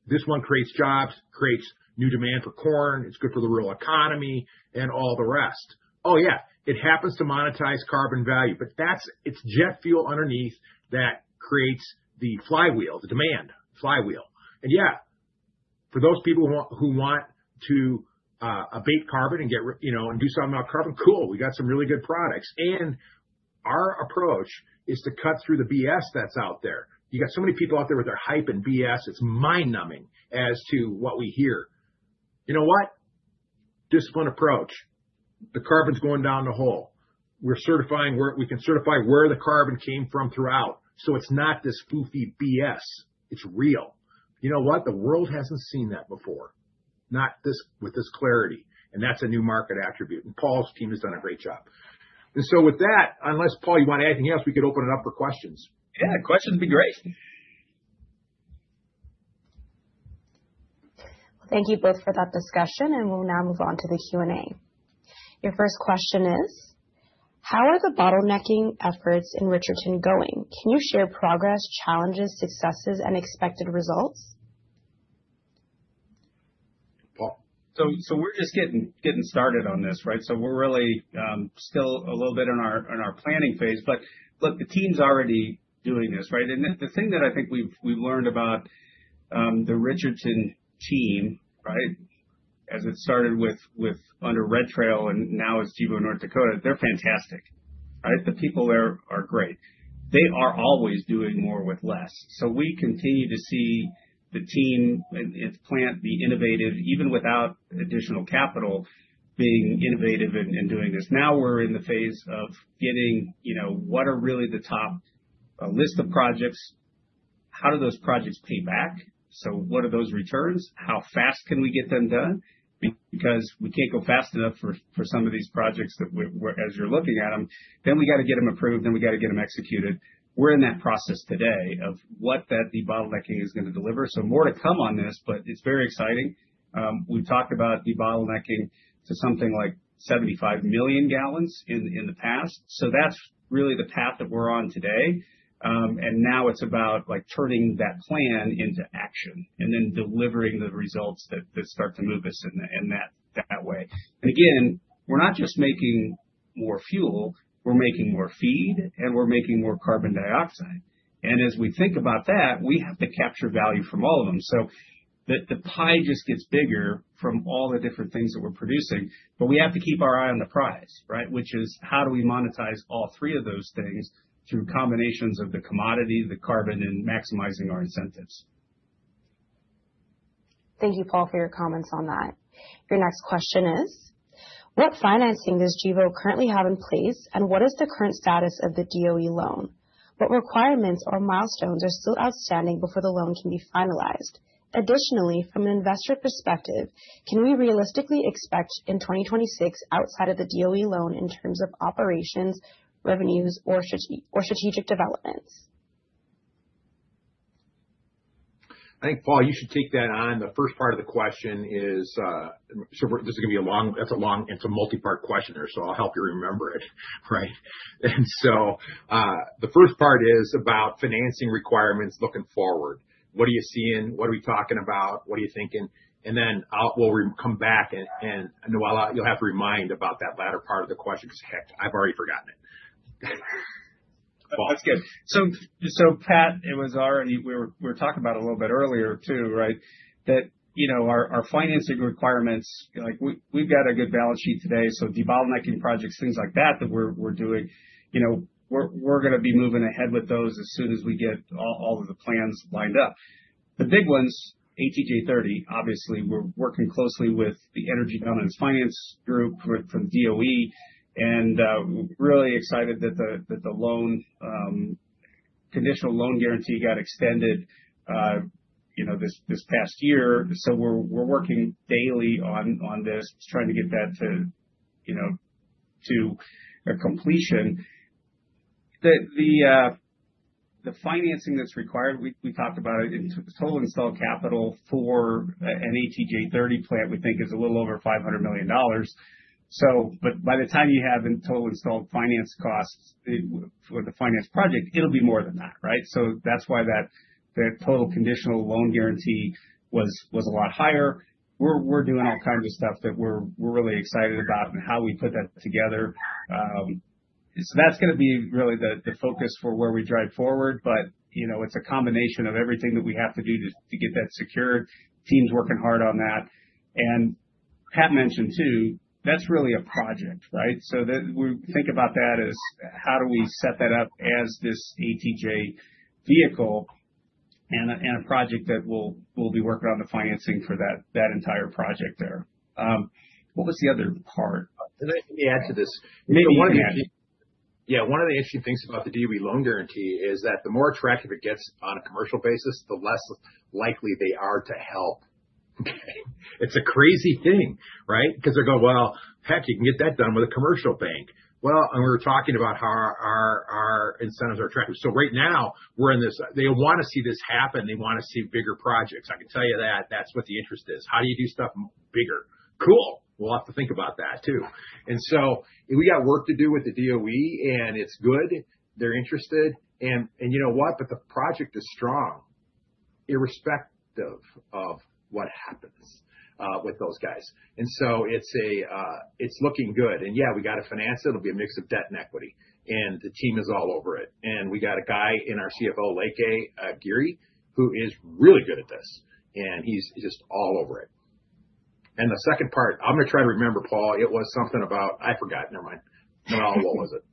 This one creates jobs, creates new demand for corn. It's good for the rural economy and all the rest. Oh yeah, it happens to monetize carbon value, but that's its jet fuel underneath that creates the flywheel, the demand flywheel. And yeah, for those people who want to abate carbon and get, you know, and do something about carbon, cool. We got some really good products. And our approach is to cut through the BS that's out there. You got so many people out there with their hype and BS. It's mind-numbing as to what we hear. You know what? Discipline approach. The carbon's going down the hole. We're certifying where we can certify where the carbon came from throughout. So it's not this goofy BS. It's real. You know what? The world hasn't seen that before, not this with this clarity. That's a new market attribute. Paul's team has done a great job. So with that, unless Paul, you want anything else, we could open it up for questions? Yeah, questions would be great. Thank you both for that discussion. We'll now move on to the Q&A. Your first question is, how are the bottlenecking efforts in Richardton going? Can you share progress, challenges, successes, and expected results? So we're just getting started on this, right? So we're really still a little bit in our planning phase. But look, the team's already doing this, right? And the thing that I think we've learned about the Richardton team, right, as it started under Red Trail and now is Gevo, North Dakota, they're fantastic, right? The people there are great. They are always doing more with less. So we continue to see the team and its plant be innovative, even without additional capital being innovative and doing this. Now we're in the phase of getting, you know, what are really the top list of projects? How do those projects pay back? So what are those returns? How fast can we get them done? Because we can't go fast enough for some of these projects that, as you're looking at them, then we got to get them approved, then we got to get them executed. We're in that process today of what that debottlenecking is going to deliver. So more to come on this, but it's very exciting. We've talked about debottlenecking to something like 75 million gallons in the past. So that's really the path that we're on today. And now it's about like turning that plan into action and then delivering the results that start to move us in that way. And again, we're not just making more fuel. We're making more feed and we're making more carbon dioxide. And as we think about that, we have to capture value from all of them. So the pie just gets bigger from all the different things that we're producing, but we have to keep our eye on the prize, right? Which is how do we monetize all three of those things through combinations of the commodity, the carbon, and maximizing our incentives. Thank you, Paul, for your comments on that. Your next question is, what financing does Gevo currently have in place and what is the current status of the DOE loan? What requirements or milestones are still outstanding before the loan can be finalized? Additionally, from an investor perspective, can we realistically expect in 2026 outside of the DOE loan in terms of operations, revenues, or strategic developments? I think, Paul, you should take that on. The first part of the question is, so this is going to be a long, it's a multi-part questionnaire, so I'll help you remember it, right? And so the first part is about financing requirements looking forward. What are you seeing? What are we talking about? What are you thinking? And then we'll come back and Noella, you'll have to remind about that latter part of the question because heck, I've already forgotten it. That's good. So Pat, it was already, we were talking about a little bit earlier too, right? That, you know, our financing requirements, like we've got a good balance sheet today. So debottlenecking projects, things like that that we're doing, you know, we're going to be moving ahead with those as soon as we get all of the plans lined up. The big ones, ATJ30, obviously we're working closely with the Energy Department's Finance Group from DOE and really excited that the loan, conditional loan guarantee got extended, you know, this past year. So we're working daily on this, trying to get that to, you know, to completion. The financing that's required, we talked about it in total installed capital for an ATJ30 plant, we think is a little over $500 million. So, but by the time you have in total installed finance costs for the finance project, it'll be more than that, right? So that's why that total conditional loan guarantee was a lot higher. We're doing all kinds of stuff that we're really excited about and how we put that together. So that's going to be really the focus for where we drive forward. But, you know, it's a combination of everything that we have to do to get that secured. Team's working hard on that. And Pat mentioned too, that's really a project, right? So we think about that as how do we set that up as this ATJ vehicle and a project that we'll be working on the financing for that entire project there. What was the other part? Let me add to this. Maybe one of the issues. Yeah, one of the issue things about the DOE loan guarantee is that the more attractive it gets on a commercial basis, the less likely they are to help. It's a crazy thing, right? Because they're going, "Well, heck, you can get that done with a commercial bank." Well, and we were talking about how our incentives are attractive. So right now we're in this, they want to see this happen. They want to see bigger projects. I can tell you that that's what the interest is. How do you do stuff bigger? Cool. We'll have to think about that too. And so we got work to do with the DOE and it's good. They're interested. And you know what? But the project is strong irrespective of what happens with those guys. And so it's looking good. And yeah, we got to finance it. It'll be a mix of debt and equity. The team is all over it. We got a guy, our CFO, Leke Agiri, who is really good at this. He's just all over it. The second part, I'm going to try to remember, Paul, it was something about, I forgot, never mind. What was it?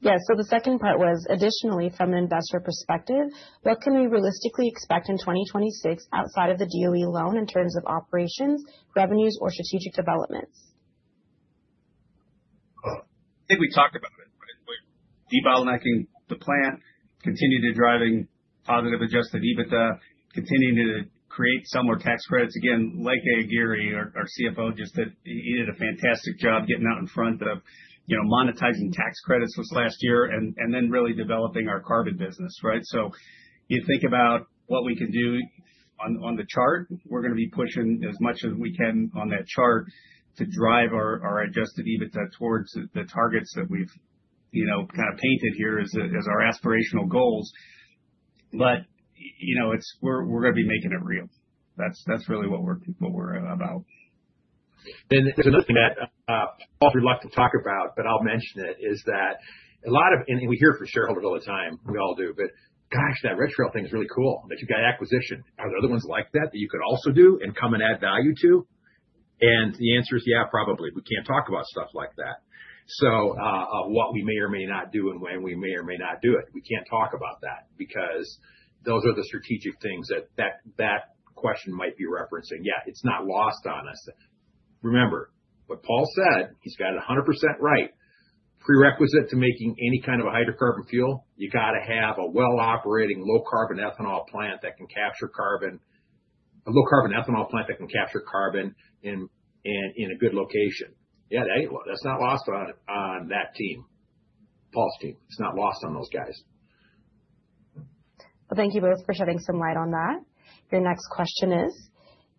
Yeah. So the second part was additionally from an investor perspective, what can we realistically expect in 2026 outside of the DOE loan in terms of operations, revenues, or strategic developments? I think we talked about it. Debottlenecking the plant, continuing to drive positive adjusted EBITDA, continuing to create some more tax credits. Again, Leke Agiri, our CFO, just did a fantastic job getting out in front of, you know, monetizing tax credits was last year and then really developing our carbon business, right? So you think about what we can do on the chart. We're going to be pushing as much as we can on that chart to drive our adjusted EBITDA towards the targets that we've, you know, kind of painted here as our aspirational goals. But, you know, it's, we're going to be making it real. That's really what we're about. And there's another thing that I'd be reluctant to talk about, but I'll mention it. It is that a lot of, and we hear from shareholders all the time, we all do, but gosh, that Red Trail thing is really cool, that you've got acquisition. Are there other ones like that that you could also do and come and add value to? The answer is, yeah, probably. We can't talk about stuff like that. What we may or may not do and when we may or may not do it, we can't talk about that because those are the strategic things that that question might be referencing. Yeah, it's not lost on us. Remember what Paul said, he's got it 100% right. Prerequisite to making any kind of a hydrocarbon fuel, you got to have a well-operating low carbon ethanol plant that can capture carbon, a low carbon ethanol plant that can capture carbon in a good location. Yeah, that's not lost on that team, Paul's team. It's not lost on those guys. Well, thank you both for shedding some light on that. Your next question is,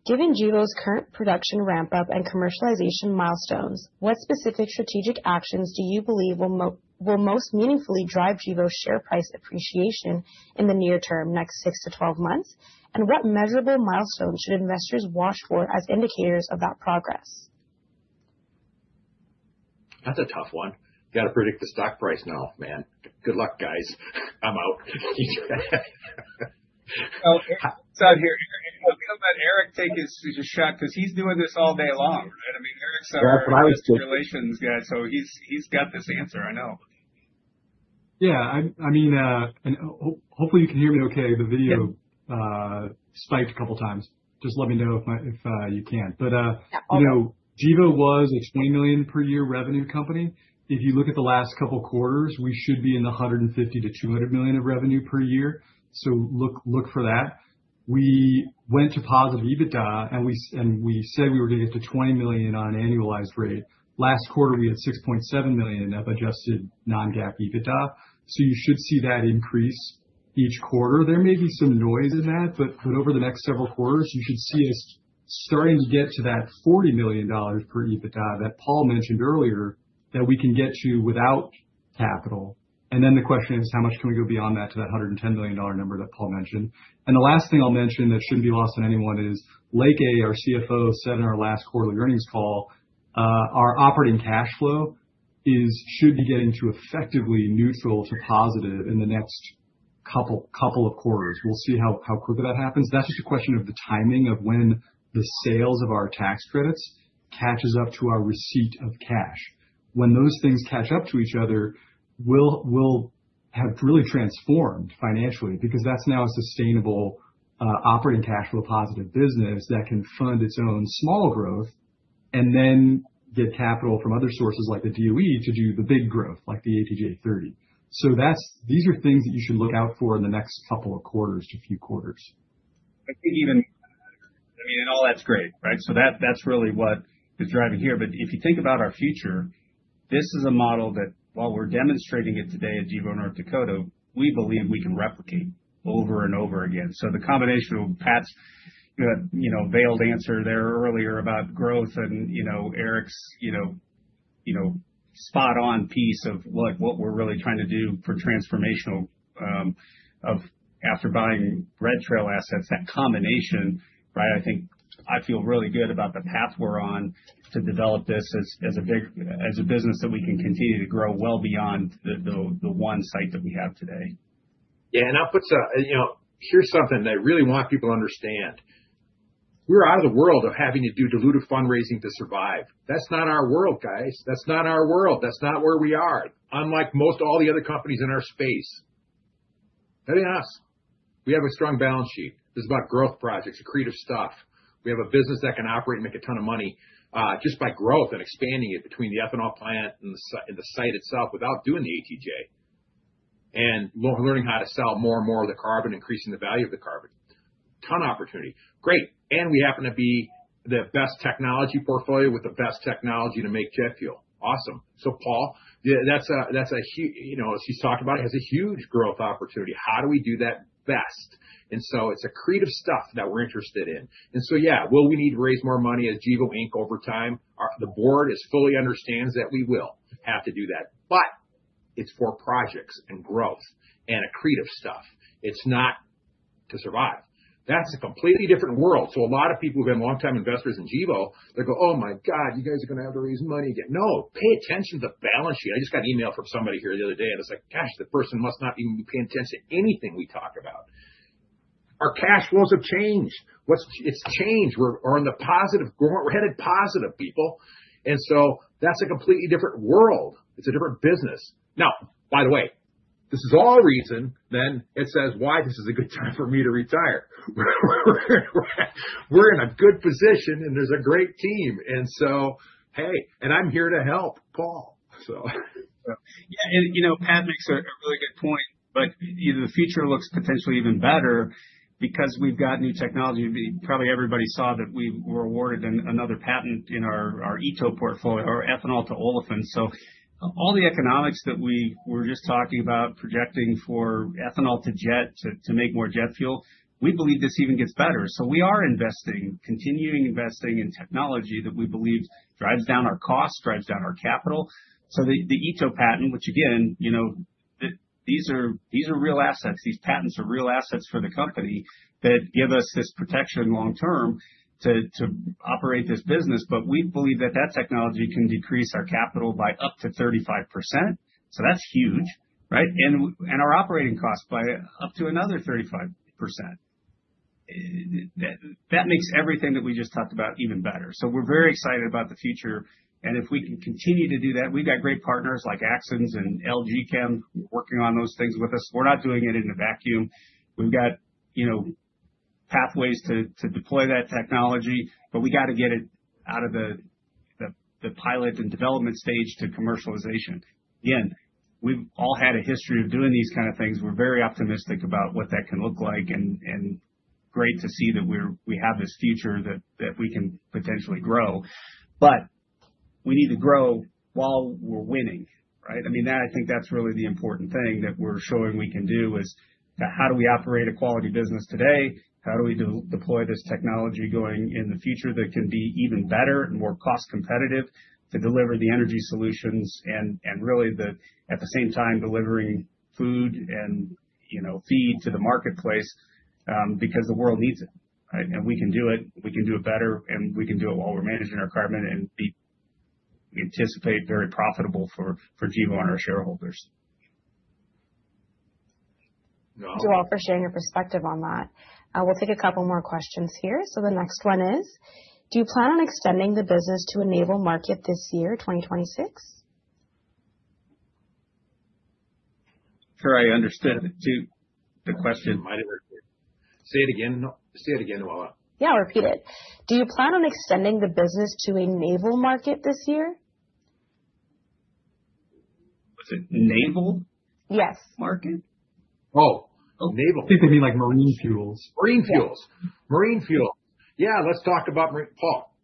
given Gevo's current production ramp-up and commercialization milestones, what specific strategic actions do you believe will most meaningfully drive GEVO's share price appreciation in the near term, next 6-12 months? And what measurable milestones should investors watch for as indicators of that progress? That's a tough one. You got to predict the stock price now, man. Good luck, guys. I'm out. Well, it's out here. How about Eric take his shot because he's doing this all day long, right? I mean, Eric's on all these relations, guys. So he's got this answer, I know. Yeah. I mean, hopefully you can hear me okay. The video spiked a couple of times. Just let me know if you can. But, you know, Gevo was a $20 million per year revenue company. If you look at the last couple of quarters, we should be in the $150 million-$200 million of revenue per year. So look for that. We went to positive EBITDA and we said we were going to get to $20 million on annualized rate. Last quarter, we had $6.7 million of adjusted non-GAAP EBITDA. So you should see that increase each quarter. There may be some noise in that, but over the next several quarters, you should see us starting to get to that $40 million per EBITDA that Paul mentioned earlier that we can get to without capital. Then the question is, how much can we go beyond that to that $110 million number that Paul mentioned? The last thing I'll mention that shouldn't be lost on anyone is Leke Agiri, our CFO, said in our last quarterly earnings call, our operating cash flow should be getting to effectively neutral to positive in the next couple of quarters. We'll see how quickly that happens. That's just a question of the timing of when the sales of our tax credits catches up to our receipt of cash. When those things catch up to each other, we'll have really transformed financially because that's now a sustainable operating cash flow positive business that can fund its own small growth and then get capital from other sources like the DOE to do the big growth like the ATJ30. These are things that you should look out for in the next couple of quarters to a few quarters. I think even, I mean, and all that's great, right? So that's really what is driving here. But if you think about our future, this is a model that while we're demonstrating it today at Gevo, North Dakota, we believe we can replicate over and over again. So the combination of Pat's, you know, veiled answer there earlier about growth and, you know, Eric's, you know, spot-on piece of what we're really trying to do for transformational of after buying Red Trail assets, that combination, right? I think I feel really good about the path we're on to develop this as a business that we can continue to grow well beyond the one site that we have today. Yeah. And I'll put some, you know, here's something that I really want people to understand. We're out of the world of having to do diluted fundraising to survive. That's not our world, guys. That's not our world. That's not where we are. Unlike most all the other companies in our space, that ain't us. We have a strong balance sheet. This is about growth projects, creative stuff. We have a business that can operate and make a ton of money just by growth and expanding it between the ethanol plant and the site itself without doing the ATJ and learning how to sell more and more of the carbon, increasing the value of the carbon. Ton of opportunity. Great. And we happen to be the best technology portfolio with the best technology to make jet fuel. Awesome. So Paul, that's a, you know, as he's talked about, it has a huge growth opportunity. How do we do that best? And so it's a creative stuff that we're interested in. And so yeah, will we need to raise more money as Gevo, Inc. over time? The board fully understands that we will have to do that. But it's for projects and growth and a creative stuff. It's not to survive. That's a completely different world. So a lot of people who've been long-time investors in Gevo, they go, "Oh my God, you guys are going to have to raise money again." No, pay attention to the balance sheet. I just got an email from somebody here the other day and it's like, "Gosh, the person must not even be paying attention to anything we talk about." Our cash flows have changed. It's changed. We're on the positive, we're headed positive, people. That's a completely different world. It's a different business. Now, by the way, this is all reason then it says why this is a good time for me to retire. We're in a good position and there's a great team. Hey, and I'm here to help, Paul. Yeah. And you know, Pat makes a really good point, but the future looks potentially even better because we've got new technology. Probably everybody saw that we were awarded another patent in our ETO portfolio, our ethanol-to-olefins. So all the economics that we were just talking about projecting for ethanol to jet to make more jet fuel, we believe this even gets better. So we are investing, continuing investing in technology that we believe drives down our cost, drives down our capital. So the ETO patent, which again, you know, these are real assets. These patents are real assets for the company that give us this protection long-term to operate this business. But we believe that that technology can decrease our capital by up to 35%. So that's huge, right? And our operating costs by up to another 35%. That makes everything that we just talked about even better. So we're very excited about the future. And if we can continue to do that, we've got great partners like Axens and LG Chem working on those things with us. We're not doing it in a vacuum. We've got, you know, pathways to deploy that technology, but we got to get it out of the pilot and development stage to commercialization. Again, we've all had a history of doing these kinds of things. We're very optimistic about what that can look like and great to see that we have this future that we can potentially grow. But we need to grow while we're winning, right? I mean, that I think that's really the important thing that we're showing we can do is how do we operate a quality business today? How do we deploy this technology going in the future that can be even better and more cost competitive to deliver the energy solutions and really at the same time delivering food and, you know, feed to the marketplace because the world needs it, right? And we can do it. We can do it better and we can do it while we're managing our carbon and we anticipate very profitable for Gevo and our shareholders. Thank you all for sharing your perspective on that. We'll take a couple more questions here. The next one is, do you plan on extending the business to a naval market this year, 2026? Sure. I understood the question. Say it again. Say it again, Noella. Yeah, I'll repeat it. Do you plan on extending the business to a naval market this year? Was it naval? Yes. Market? Oh, naval. People mean like marine fuels. Marine fuels. Marine fuels. Yeah. Let's talk about, Paul,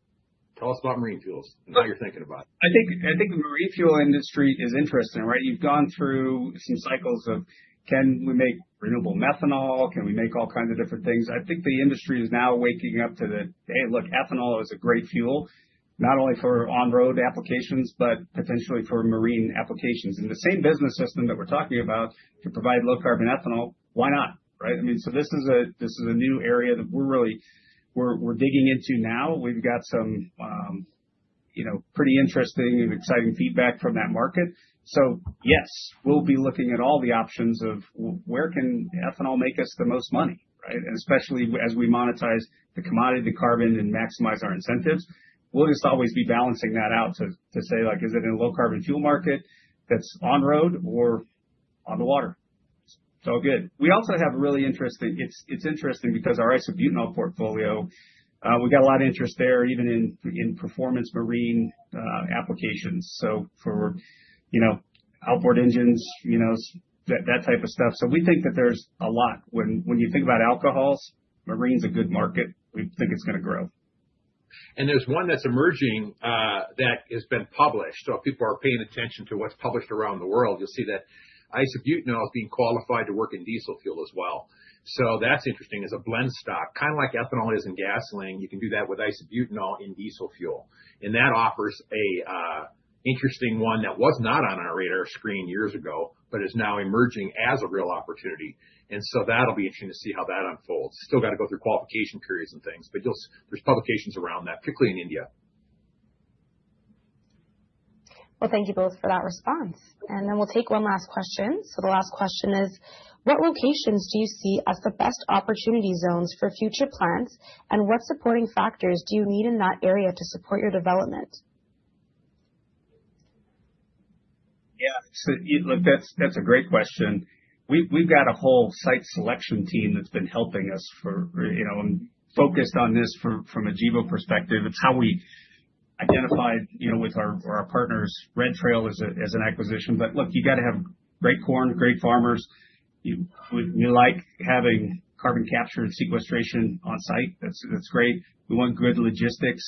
tell us about marine fuels. Now you're thinking about it. I think the marine fuel industry is interesting, right? You've gone through some cycles of can we make renewable methanol? Can we make all kinds of different things? I think the industry is now waking up to the, hey, look, ethanol is a great fuel, not only for on-road applications, but potentially for marine applications. And the same business system that we're talking about to provide low carbon ethanol, why not, right? I mean, so this is a new area that we're really digging into now. We've got some, you know, pretty interesting and exciting feedback from that market. So yes, we'll be looking at all the options of where can ethanol make us the most money, right? And especially as we monetize the commodity, the carbon, and maximize our incentives, we'll just always be balancing that out to say like, is it in a low carbon fuel market that's on road or on the water? So good. We also have a really interesting, it's interesting because our isobutanol portfolio, we've got a lot of interest there even in performance marine applications. So for, you know, outboard engines, you know, that type of stuff. So we think that there's a lot when you think about alcohols, marine's a good market. We think it's going to grow. There's one that's emerging that has been published. So if people are paying attention to what's published around the world, you'll see that isobutanol is being qualified to work in diesel fuel as well. So that's interesting as a blend stock, kind of like ethanol is in gasoline, you can do that with isobutanol in diesel fuel. And that offers an interesting one that was not on our radar screen years ago, but is now emerging as a real opportunity. And so that'll be interesting to see how that unfolds. Still got to go through qualification periods and things, but there's publications around that, particularly in India. Well, thank you both for that response. Then we'll take one last question. The last question is, what locations do you see as the best opportunity zones for future plants and what supporting factors do you need in that area to support your development? Yeah. So look, that's a great question. We've got a whole site selection team that's been helping us for, you know, focused on this from a Gevo perspective. It's how we identified, you know, with our partners, Red Trail as an acquisition. But look, you got to have great corn, great farmers. We like having carbon capture and sequestration on site. That's great. We want good logistics,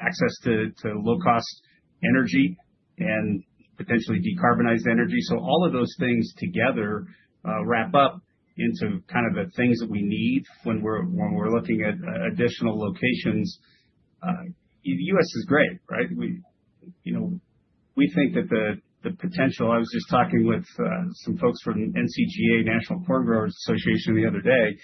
access to low-cost energy and potentially decarbonized energy. So all of those things together wrap up into kind of the things that we need when we're looking at additional locations. The U.S. is great, right? You know, we think that the potential, I was just talking with some folks from NCGA, National Corn Growers Association the other day,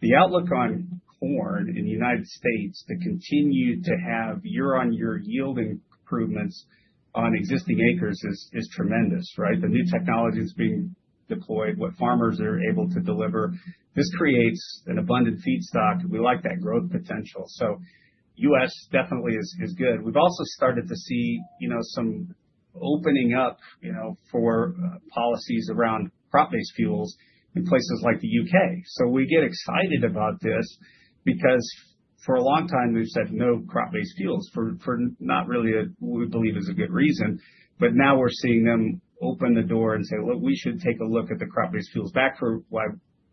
the outlook on corn in the United States to continue to have year-on-year yield improvements on existing acres is tremendous, right? The new technology that's being deployed, what farmers are able to deliver, this creates an abundant feedstock. We like that growth potential. So U.S. definitely is good. We've also started to see, you know, some opening up, you know, for policies around crop-based fuels in places like the U.K. So we get excited about this because for a long time, we've said no crop-based fuels for not really what we believe is a good reason. But now we're seeing them open the door and say, "Look, we should take a look at the crop-based fuels back for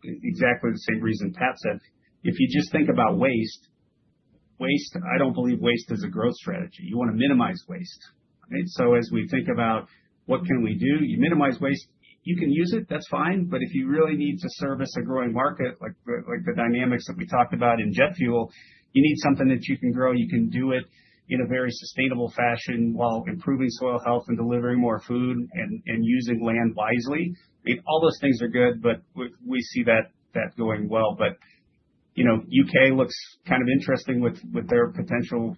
exactly the same reason Pat said." If you just think about waste, waste, I don't believe waste is a growth strategy. You want to minimize waste. I mean, so as we think about what can we do, you minimize waste, you can use it, that's fine. But if you really need to service a growing market, like the dynamics that we talked about in jet fuel, you need something that you can grow, you can do it in a very sustainable fashion while improving soil health and delivering more food and using land wisely. I mean, all those things are good, but we see that going well. But, you know, U.K. looks kind of interesting with their potential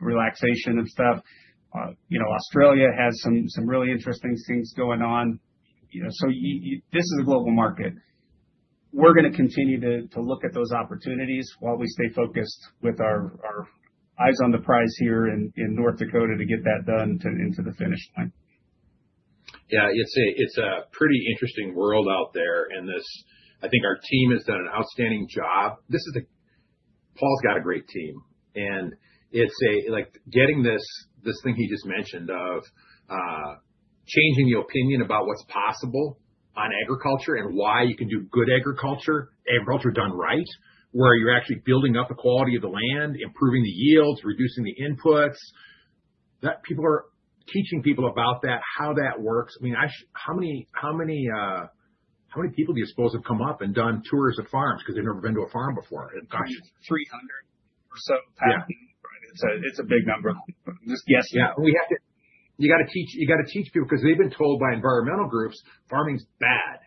relaxation and stuff. You know, Australia has some really interesting things going on. You know, so this is a global market. We're going to continue to look at those opportunities while we stay focused with our eyes on the prize here in North Dakota to get that done into the finish line. Yeah. It's a pretty interesting world out there. And this, I think our team has done an outstanding job. This is a, Paul's got a great team. And it's like getting this thing he just mentioned of changing the opinion about what's possible on agriculture and why you can do good agriculture, agriculture done right, where you're actually building up the quality of the land, improving the yields, reducing the inputs. People are teaching people about that, how that works. I mean, how many people do you suppose have come up and done tours of farms because they've never been to a farm before? 300 or so. It's a big number. Just guess. Yeah. You got to teach people because they've been told by environmental groups farming's bad.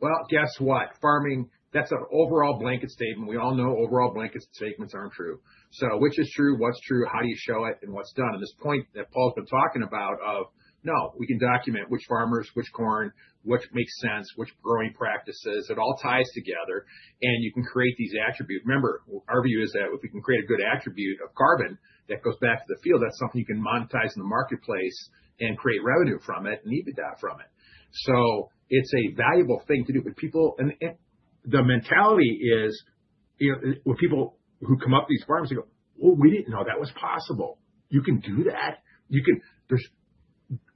Well, guess what? Farming, that's an overall blanket statement. We all know overall blanket statements aren't true. So which is true, what's true, how do you show it and what's done? And this point that Paul's been talking about of, no, we can document which farmers, which corn, what makes sense, which growing practices, it all ties together. And you can create these attributes. Remember, our view is that if we can create a good attribute of carbon that goes back to the field, that's something you can monetize in the marketplace and create revenue from it and EBITDA from it. So it's a valuable thing to do. But people, the mentality is, you know, when people who come up these farms, they go, "Well, we didn't know that was possible." You can do that. You can, there's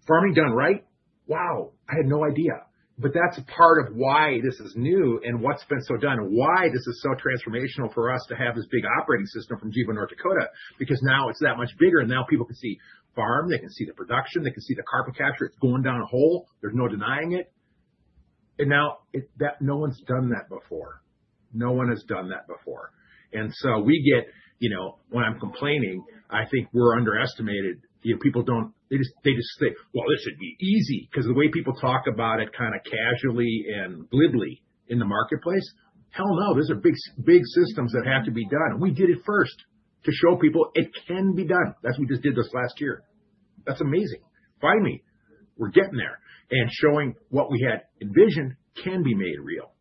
farming done right. Wow, I had no idea. But that's part of why this is new and what's been so done and why this is so transformational for us to have this big operating system from Gevo North Dakota, because now it's that much bigger and now people can see farm, they can see the production, they can see the carbon capture, it's going down a hole. There's no denying it. And now that no one's done that before. No one has done that before. And so we get, you know, when I'm complaining, I think we're underestimated. You know, people don't, they just think, "Well, this should be easy," because the way people talk about it kind of casually and glibly in the marketplace, hell no, these are big systems that have to be done. And we did it first to show people it can be done. That's what we just did this last year. That's amazing. Finally, we're getting there and showing what we had envisioned can be made real.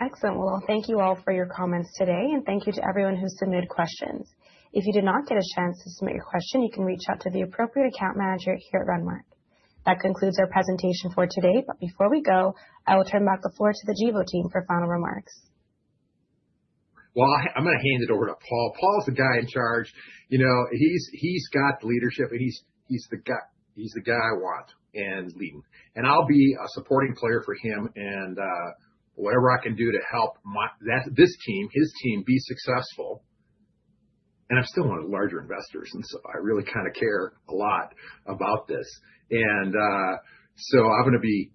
Excellent. Well, thank you all for your comments today. And thank you to everyone who submitted questions. If you did not get a chance to submit your question, you can reach out to the appropriate account manager here at Renmark. That concludes our presentation for today. But before we go, I will turn back the floor to the Gevo team for final remarks. Well, I'm going to hand it over to Paul. Paul's the guy in charge. You know, he's got the leadership and he's the guy I want. And leading. And I'll be a supporting player for him and whatever I can do to help this team, his team be successful. And I'm still one of the larger investors. And so I really kind of care a lot about this. And so I'm going to be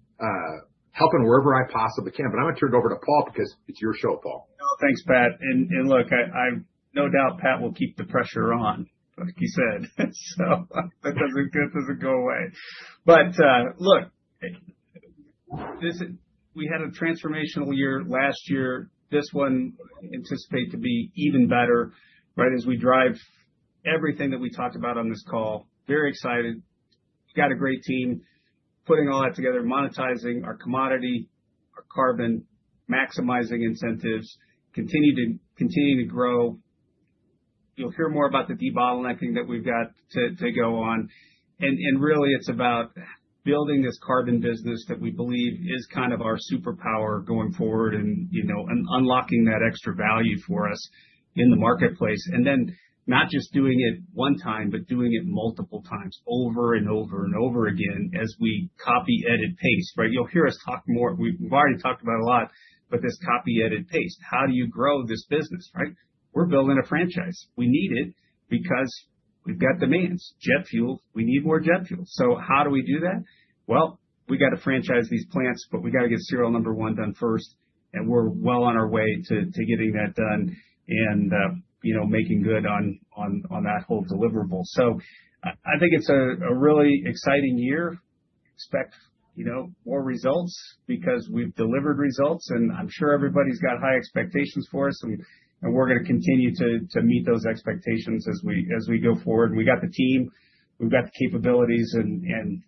helping wherever I possibly can. But I'm going to turn it over to Paul because it's your show, Paul. Thanks, Pat. And look, I no doubt Pat will keep the pressure on, like he said. So that doesn't go away. But look, we had a transformational year last year. This one I anticipate to be even better, right? As we drive everything that we talked about on this call, very excited. We've got a great team putting all that together, monetizing our commodity, our carbon, maximizing incentives, continue to grow. You'll hear more about the debottling thing that we've got to go on. And really, it's about building this carbon business that we believe is kind of our superpower going forward and, you know, unlocking that extra value for us in the marketplace. And then not just doing it one time, but doing it multiple times over and over and over again as we copy, edit, paste, right? You'll hear us talk more. We've already talked about a lot, but this copy, edit, paste. How do you grow this business, right? We're building a franchise. We need it because we've got demands. Jet fuel, we need more jet fuel. So how do we do that? Well, we got to franchise these plants, but we got to get serial number one done first. And we're well on our way to getting that done and, you know, making good on that whole deliverable. So I think it's a really exciting year. Expect, you know, more results because we've delivered results and I'm sure everybody's got high expectations for us. And we're going to continue to meet those expectations as we go forward. We got the team, we've got the capabilities, and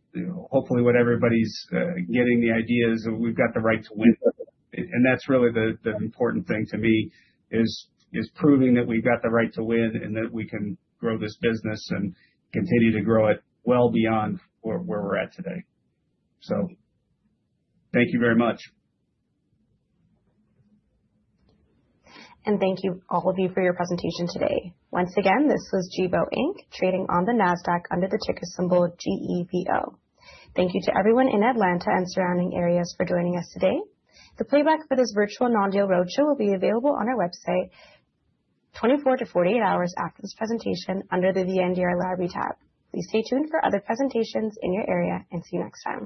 hopefully what everybody's getting the idea is that we've got the right to win. That's really the important thing to me is proving that we've got the right to win and that we can grow this business and continue to grow it well beyond where we're at today. Thank you very much. And thank you all of you for your presentation today. Once again, this was Gevo, Inc. trading on the NASDAQ under the ticker symbol GEVO. Thank you to everyone in Atlanta and surrounding areas for joining us today. The playback for this virtual Non-Deal Roadshow will be available on our website 24-48 hours after this presentation under the VNDR Library tab. Please stay tuned for other presentations in your area and see you next time.